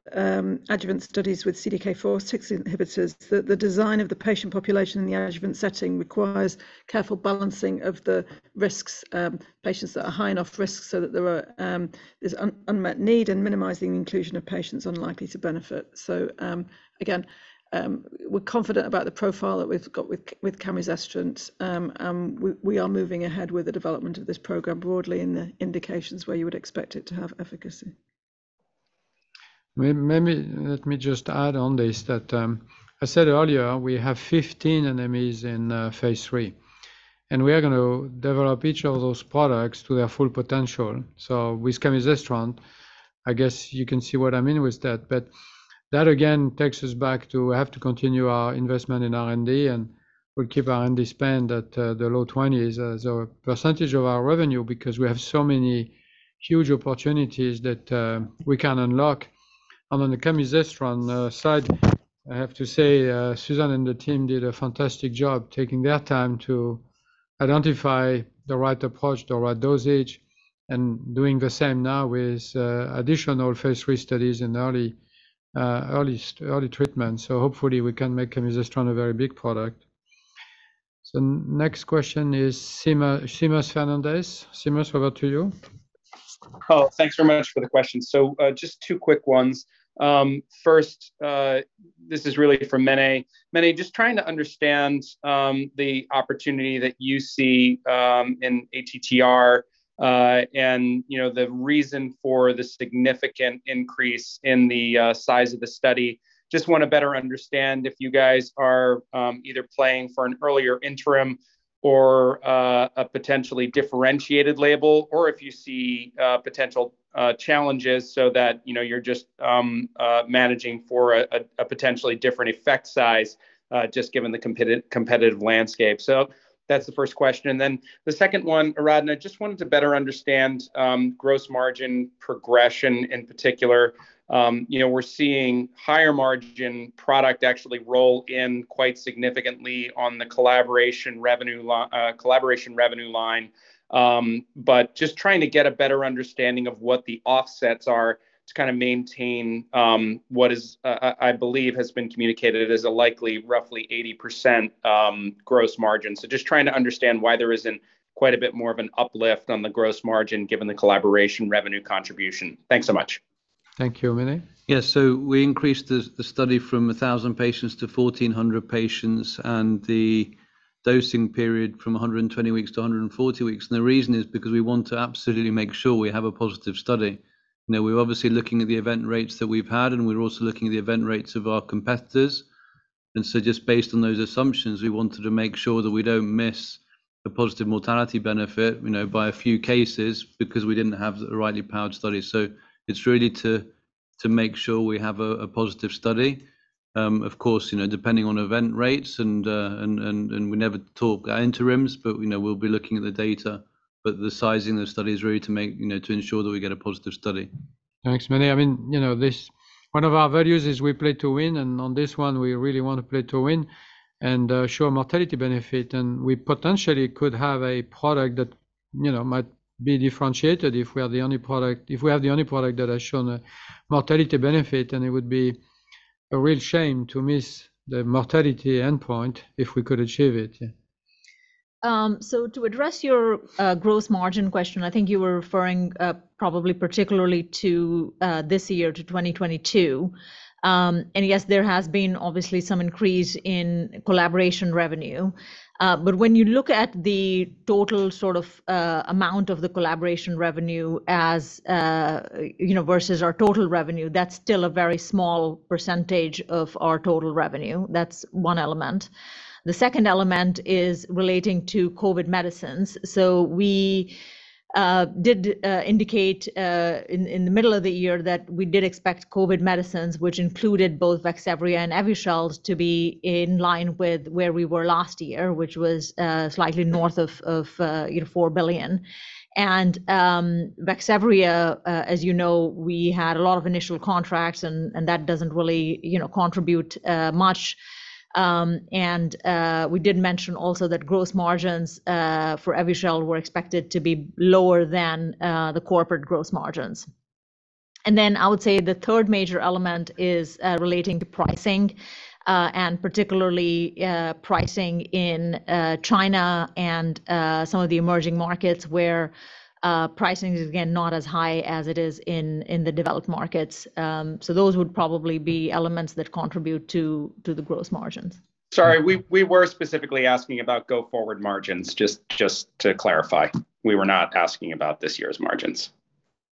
adjuvant studies with CDK4/6 inhibitors, the design of the patient population in the adjuvant setting requires careful balancing of the risks, patients that are high enough risk so that there's unmet need and minimizing inclusion of patients unlikely to benefit. We're confident about the profile that we've got with camizestrant. We are moving ahead with the development of this program broadly in the indications where you would expect it to have efficacy. Maybe let me just add on this that I said earlier we have 15 NMEs in phase III, and we are gonna develop each of those products to their full potential. With camizestrant, I guess you can see what I mean with that. That again takes us back to we have to continue our investment in R&D, and we'll keep our R&D spend at the low 20%s of our revenue because we have so many huge opportunities that we can unlock. On the camizestrant side, I have to say, Susan and the team did a fantastic job taking their time to identify the right approach, the right dosage, and doing the same now with additional phase III studies in early treatment. Hopefully we can make camizestrant a very big product. Next question is Seamus Fernandez. Seamus, over to you. Oh, thanks very much for the question. Just two quick ones. First, this is really for Mene. Mene, just trying to understand the opportunity that you see in ATTR, and, you know, the reason for the significant increase in the size of the study. Just wanna better understand if you guys are either playing for an earlier interim or a potentially differentiated label or if you see potential challenges so that, you know, you're just managing for a potentially different effect size just given the competitive landscape. That's the first question. Then the second one, Aradhana, just wanted to better understand gross margin progression in particular. You know, we're seeing higher margin product actually roll in quite significantly on the collaboration revenue line. Just trying to get a better understanding of what the offsets are to kind of maintain what is, I believe has been communicated as a likely roughly 80% gross margin. Just trying to understand why there isn't quite a bit more of an uplift on the gross margin given the collaboration revenue contribution. Thanks so much. Thank you. Mene? Yeah. We increased the study from 1,000 patients to 1,400 patients and the dosing period from 120 weeks to 140 weeks. The reason is because we want to absolutely make sure we have a positive study. You know, we're obviously looking at the event rates that we've had, and we're also looking at the event rates of our competitors. Just based on those assumptions, we wanted to make sure that we don't miss a positive mortality benefit, you know, by a few cases because we didn't have a rightly powered study. It's really to make sure we have a positive study. Of course, you know, depending on event rates and we never talk interims, but, you know, we'll be looking at the data. The sizing of the study is really to make, you know, to ensure that we get a positive study. Thanks, Mene. I mean, you know, one of our values is we play to win, and on this one, we really want to play to win and show a mortality benefit. We potentially could have a product that, you know, might be differentiated if we are the only product, if we have the only product that has shown a mortality benefit, and it would be a real shame to miss the mortality endpoint if we could achieve it. Yeah. To address your gross margin question, I think you were referring probably particularly to this year, to 2022. Yes, there has been obviously some increase in collaboration revenue. But when you look at the total sort of amount of the collaboration revenue as you know versus our total revenue, that's still a very small percentage of our total revenue. That's one element. The second element is relating to COVID medicines. We did indicate in the middle of the year that we did expect COVID medicines, which included both Vaxzevria and Evusheld to be in line with where we were last year, which was slightly north of, you know, $4 billion. Vaxzevria, as you know, we had a lot of initial contracts and that doesn't really, you know, contribute much. We did mention also that gross margins for Evusheld were expected to be lower than the corporate gross margins. I would say the third major element is relating to pricing and particularly pricing in China and some of the emerging markets where pricing is again not as high as it is in the developed markets. Those would probably be elements that contribute to the gross margins. Sorry, we were specifically asking about go-forward margins, just to clarify. We were not asking about this year's margins.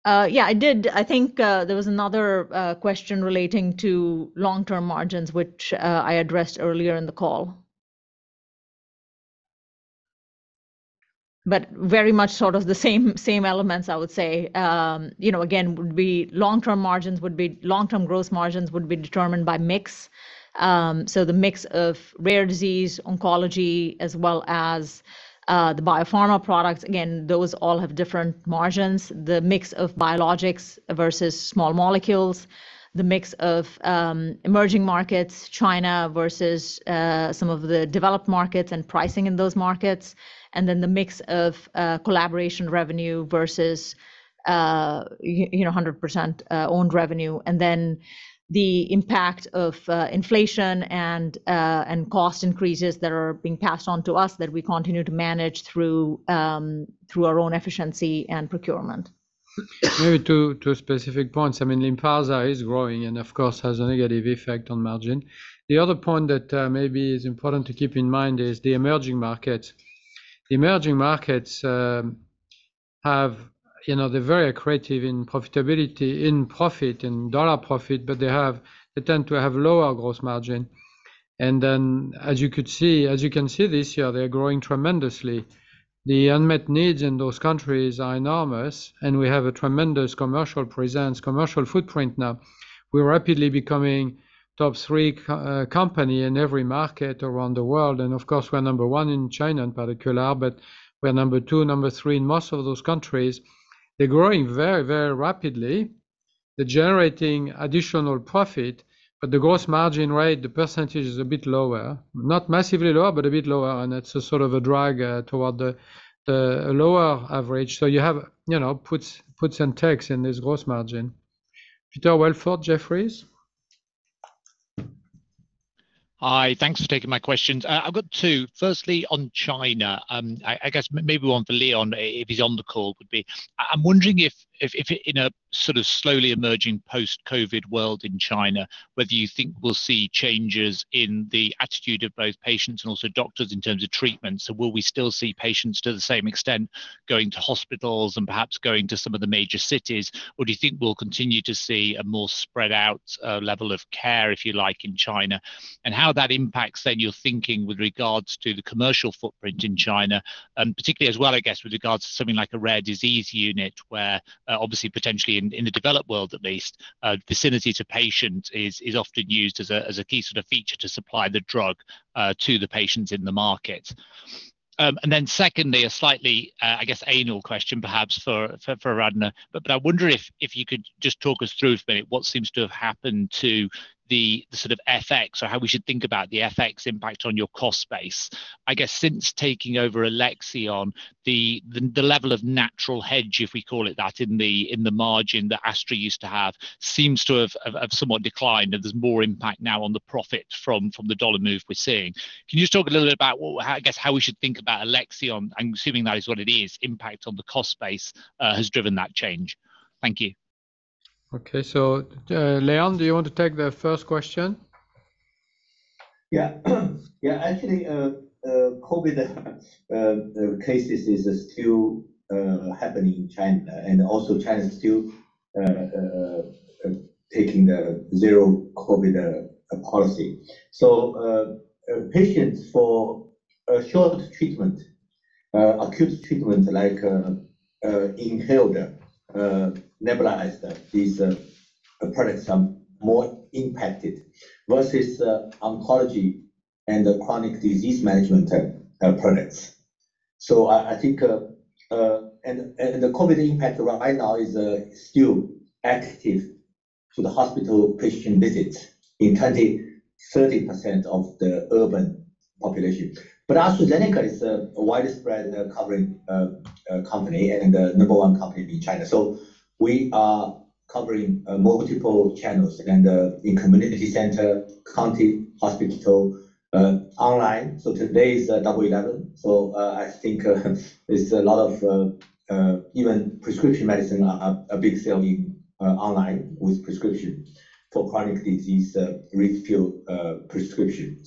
Yeah, I did. I think there was another question relating to long-term margins, which I addressed earlier in the call. Very much sort of the same elements I would say. You know, again, long-term growth margins would be determined by mix. So the mix of rare disease, oncology, as well as the biopharma products, again, those all have different margins. The mix of biologics versus small molecules, the mix of emerging markets, China versus some of the developed markets and pricing in those markets, and then the mix of collaboration revenue versus you know, 100% owned revenue. The impact of inflation and cost increases that are being passed on to us that we continue to manage through our own efficiency and procurement. Two specific points. I mean, Lynparza is growing and of course has a negative effect on margin. The other point that maybe is important to keep in mind is the emerging markets. The emerging markets, they're very accretive in profitability, in profit, in dollar profit, but they tend to have lower gross margin. As you can see this year, they are growing tremendously. The unmet needs in those countries are enormous, and we have a tremendous commercial presence, commercial footprint now. We're rapidly becoming top three company in every market around the world, and of course, we're number one in China in particular, but we're number two, number three in most of those countries. They're growing very, very rapidly. They're generating additional profit, but the gross margin rate, the percentage is a bit lower. Not massively lower, but a bit lower, and it's a sort of a drag toward the lower average. You have, you know, puts and takes in this gross margin. Peter Welford, Jefferies. Hi. Thanks for taking my questions. I've got two. Firstly, on China, I guess maybe one for Leon if he's on the call would be, I'm wondering if in a sort of slowly emerging post-COVID world in China, whether you think we'll see changes in the attitude of both patients and also doctors in terms of treatment. Will we still see patients to the same extent going to hospitals and perhaps going to some of the major cities, or do you think we'll continue to see a more spread out level of care, if you like, in China? How that impacts then your thinking with regards to the commercial footprint in China, and particularly as well, I guess, with regards to something like a rare disease unit where obviously potentially in the developed world at least, vicinity to patient is often used as a key sort of feature to supply the drug to the patients in the market. Secondly, a slightly, I guess, anal question perhaps for Aradhana, but I wonder if you could just talk us through for a minute what seems to have happened to the sort of FX or how we should think about the FX impact on your cost base. I guess since taking over Alexion, the level of natural hedge, if we call it that, in the margin that Astra used to have seems to have somewhat declined, and there's more impact now on the profit from the dollar move we're seeing. Can you just talk a little bit about how, I guess how we should think about Alexion, I'm assuming that is what it is, impact on the cost base has driven that change. Thank you. Okay. Leon, do you want to take the first question? Actually, COVID cases is still happening in China, and also China is still taking the zero-COVID policy. Patients for a short treatment, acute treatment like inhaled, nebulized these products are more impacted versus oncology and the chronic disease management products. The COVID impact right now is still active to the hospital patient visit in 30% of the urban population. But AstraZeneca is a widespread covering company and the number one company in China. We are covering multiple channels and in community center, county hospital, online. Today is double eleven. I think there's a lot of even prescription medicine are a big selling online with prescription for chronic disease refill prescription.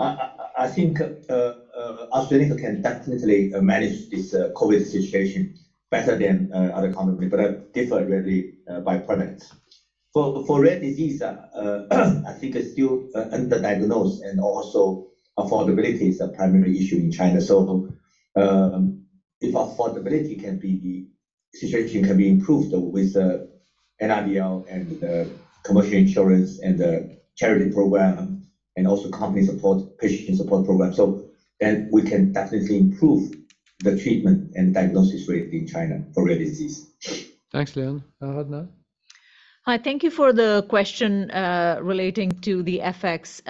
I think AstraZeneca can definitely manage this COVID situation better than other company, but differently by product. For rare disease, I think it's still underdiagnosed, and also affordability is a primary issue in China. If the situation can be improved with NRDL and the commercial insurance and the charity program, and also company support, patient support program, then we can definitely improve the treatment and diagnosis rate in China for rare disease. Thanks, Leon. Aradhana? Hi. Thank you for the question relating to the FX.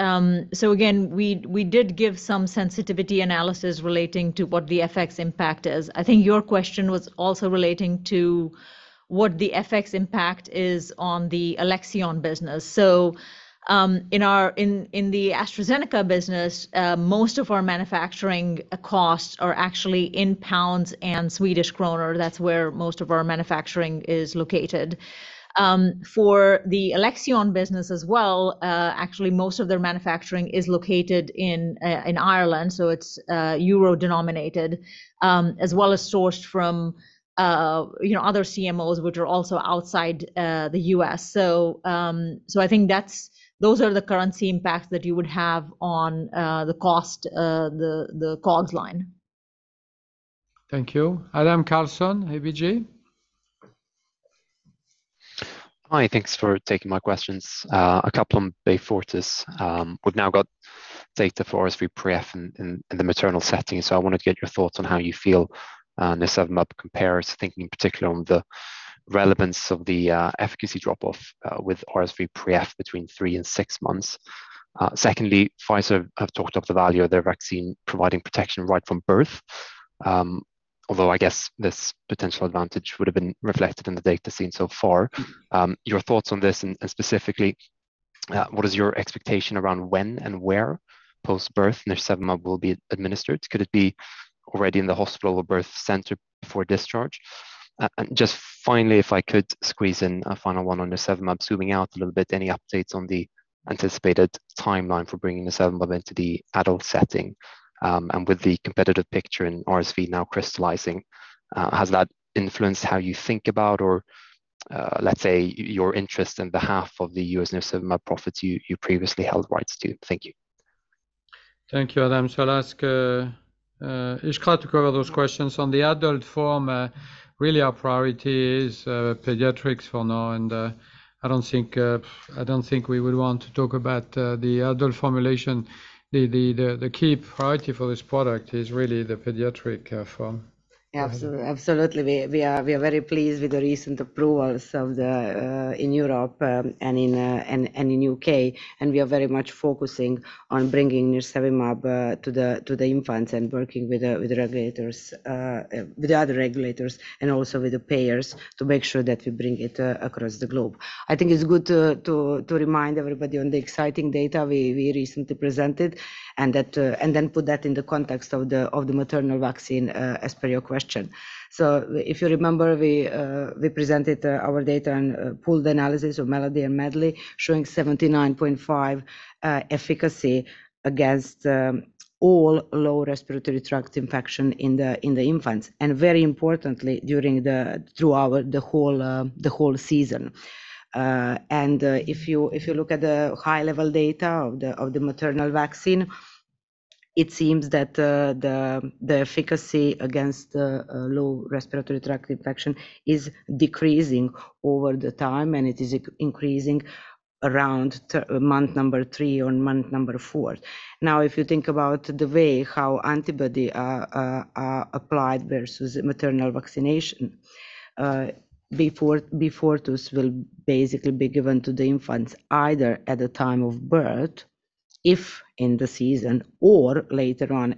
Again, we did give some sensitivity analysis relating to what the FX impact is. I think your question was also relating to what the FX impact is on the Alexion business. In our AstraZeneca business, most of our manufacturing costs are actually in pounds and Swedish krona. That's where most of our manufacturing is located. For the Alexion business as well, actually most of their manufacturing is located in Ireland, so it's euro-denominated, as well as sourced from you know, other CMOs which are also outside the U.S. I think those are the currency impacts that you would have on the cost, the COGS line. Thank you. Adam Karlsson, ABG. Hi. Thanks for taking my questions. A couple on Beyfortus. We've now got data for RSVpreF in the maternal setting, so I wanted to get your thoughts on how you feel nirsevimab compares, thinking in particular on the relevance of the efficacy drop-off with RSVpreF between three and six months. Secondly, Pfizer have talked up the value of their vaccine providing protection right from birth, although I guess this potential advantage would have been reflected in the data seen so far. Your thoughts on this and specifically, what is your expectation around when and where post-birth nirsevimab will be administered? Could it be already in the hospital or birth center before discharge? Just finally, if I could squeeze in a final one on nirsevimab, zooming out a little bit, any updates on the anticipated timeline for bringing nirsevimab into the adult setting? With the competitive picture in RSV now crystallizing, has that influenced how you think about or, let's say your interest in the U.S. nirsevimab product profile you previously held rights to? Thank you. Thank you, Adam. I'll ask Iskra to cover those questions. On the adult form, really our priority is pediatrics for now, and I don't think we would want to talk about the adult formulation. The key priority for this product is really the pediatric form. Absolutely. We are very pleased with the recent approvals in Europe and in U.K., and we are very much focusing on bringing nirsevimab to the infants and working with regulators, with the other regulators and also with the payers to make sure that we bring it across the globe. I think it's good to remind everybody on the exciting data we recently presented and then put that in the context of the maternal vaccine, as per your question. If you remember, we presented our data and pooled analysis of MELODY and MEDLEY showing 79.5% efficacy against all lower respiratory tract infection in the infants, and very importantly, during the. Throughout the whole season. If you look at the high-level data of the maternal vaccine, it seems that the efficacy against low respiratory tract infection is decreasing over time, and it is increasing around month number three or month number four. If you think about the way how antibody are applied versus maternal vaccination, Beyfortus will basically be given to the infants either at the time of birth, if in the season, or later on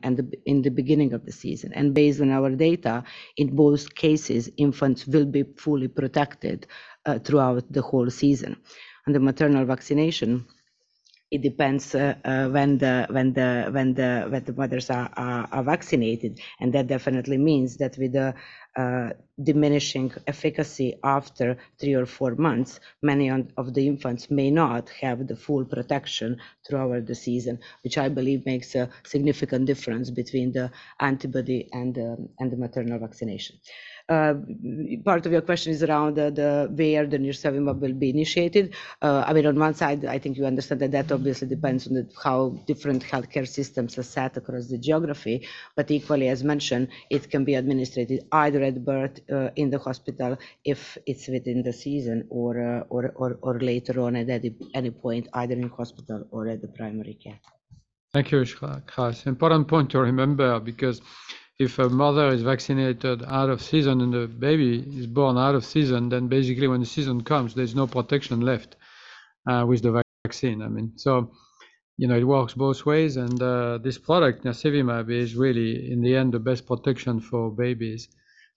in the beginning of the season. Based on our data, in both cases, infants will be fully protected throughout the whole season. The maternal vaccination, it depends, when the mothers are vaccinated, and that definitely means that with the diminishing efficacy after three or four months, many of the infants may not have the full protection throughout the season, which I believe makes a significant difference between the antibody and the maternal vaccination. Part of your question is around where the nirsevimab will be initiated. I mean, on one side, I think you understand that that obviously depends on how different healthcare systems are set across the geography. Equally, as mentioned, it can be administered either at birth, in the hospital if it's within the season or later on at any point, either in hospital or at the primary care. Thank you, Iskra. Important point to remember because if a mother is vaccinated out of season and the baby is born out of season, then basically when the season comes, there's no protection left with the vaccine. I mean, so, you know, it works both ways and this product, nirsevimab, is really in the end the best protection for babies.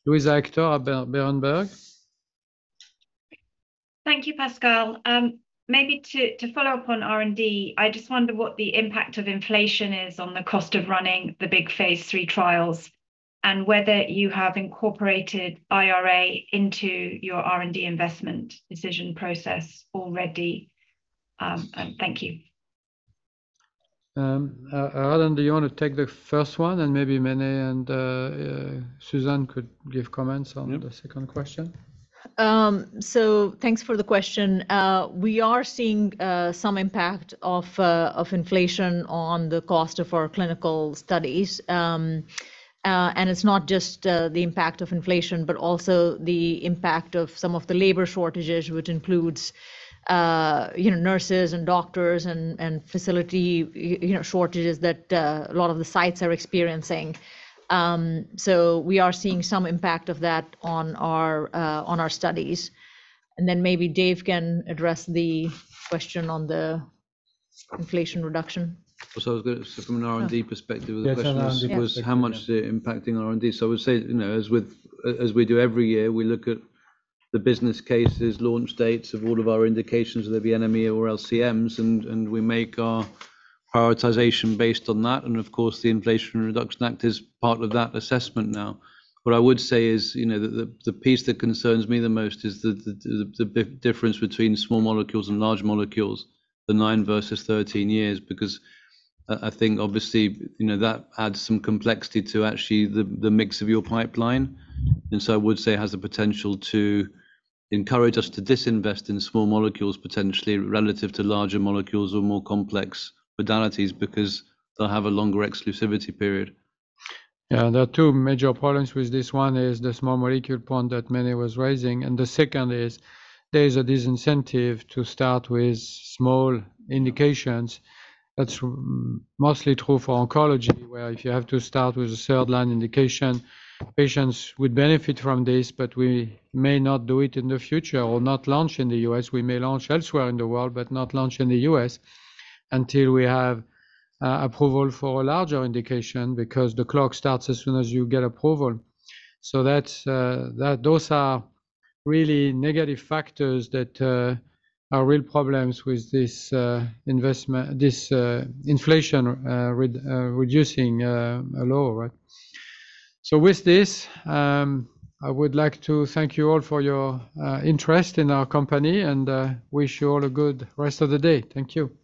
Luisa Hector, Berenberg. Thank you, Pascal. Maybe to follow up on R&D, I just wonder what the impact of inflation is on the cost of running the big phase III trials and whether you have incorporated IRA into your R&D investment decision process already. And thank you. Aradhana, do you want to take the first one, and maybe Menelas and Susan could give comments on. Yeah the second question? Thanks for the question. We are seeing some impact of inflation on the cost of our clinical studies. It's not just the impact of inflation, but also the impact of some of the labor shortages, which includes you know, nurses and doctors and facility you know, shortages that a lot of the sites are experiencing. We are seeing some impact of that on our studies. Then maybe Dave can address the question on the inflation reduction. From an R&D perspective. Yeah The question was. Yeah... was how much is it impacting R&D. I would say, you know, as we do every year, we look at the business cases, launch dates of all of our indications, whether they be NME or LCMs, and we make our prioritization based on that. Of course, the Inflation Reduction Act is part of that assessment now. What I would say is, you know, the piece that concerns me the most is the big difference between small molecules and large molecules, the nine versus 13 years, because I think obviously, you know, that adds some complexity to actually the mix of your pipeline. I would say it has the potential to encourage us to disinvest in small molecules potentially relative to larger molecules or more complex modalities because they'll have a longer exclusivity period. Yeah. There are two major problems with this. One is the small molecule point that Mene was raising, and the second is there is a disincentive to start with small indications. That's mostly true for oncology, where if you have to start with a third line indication, patients would benefit from this, but we may not do it in the future or not launch in the U.S. We may launch elsewhere in the world, but not launch in the U.S. until we have approval for a larger indication, because the clock starts as soon as you get approval. So those are really negative factors that are real problems with this investment, this Inflation Reduction Act, right? With this, I would like to thank you all for your interest in our company and wish you all a good rest of the day. Thank you.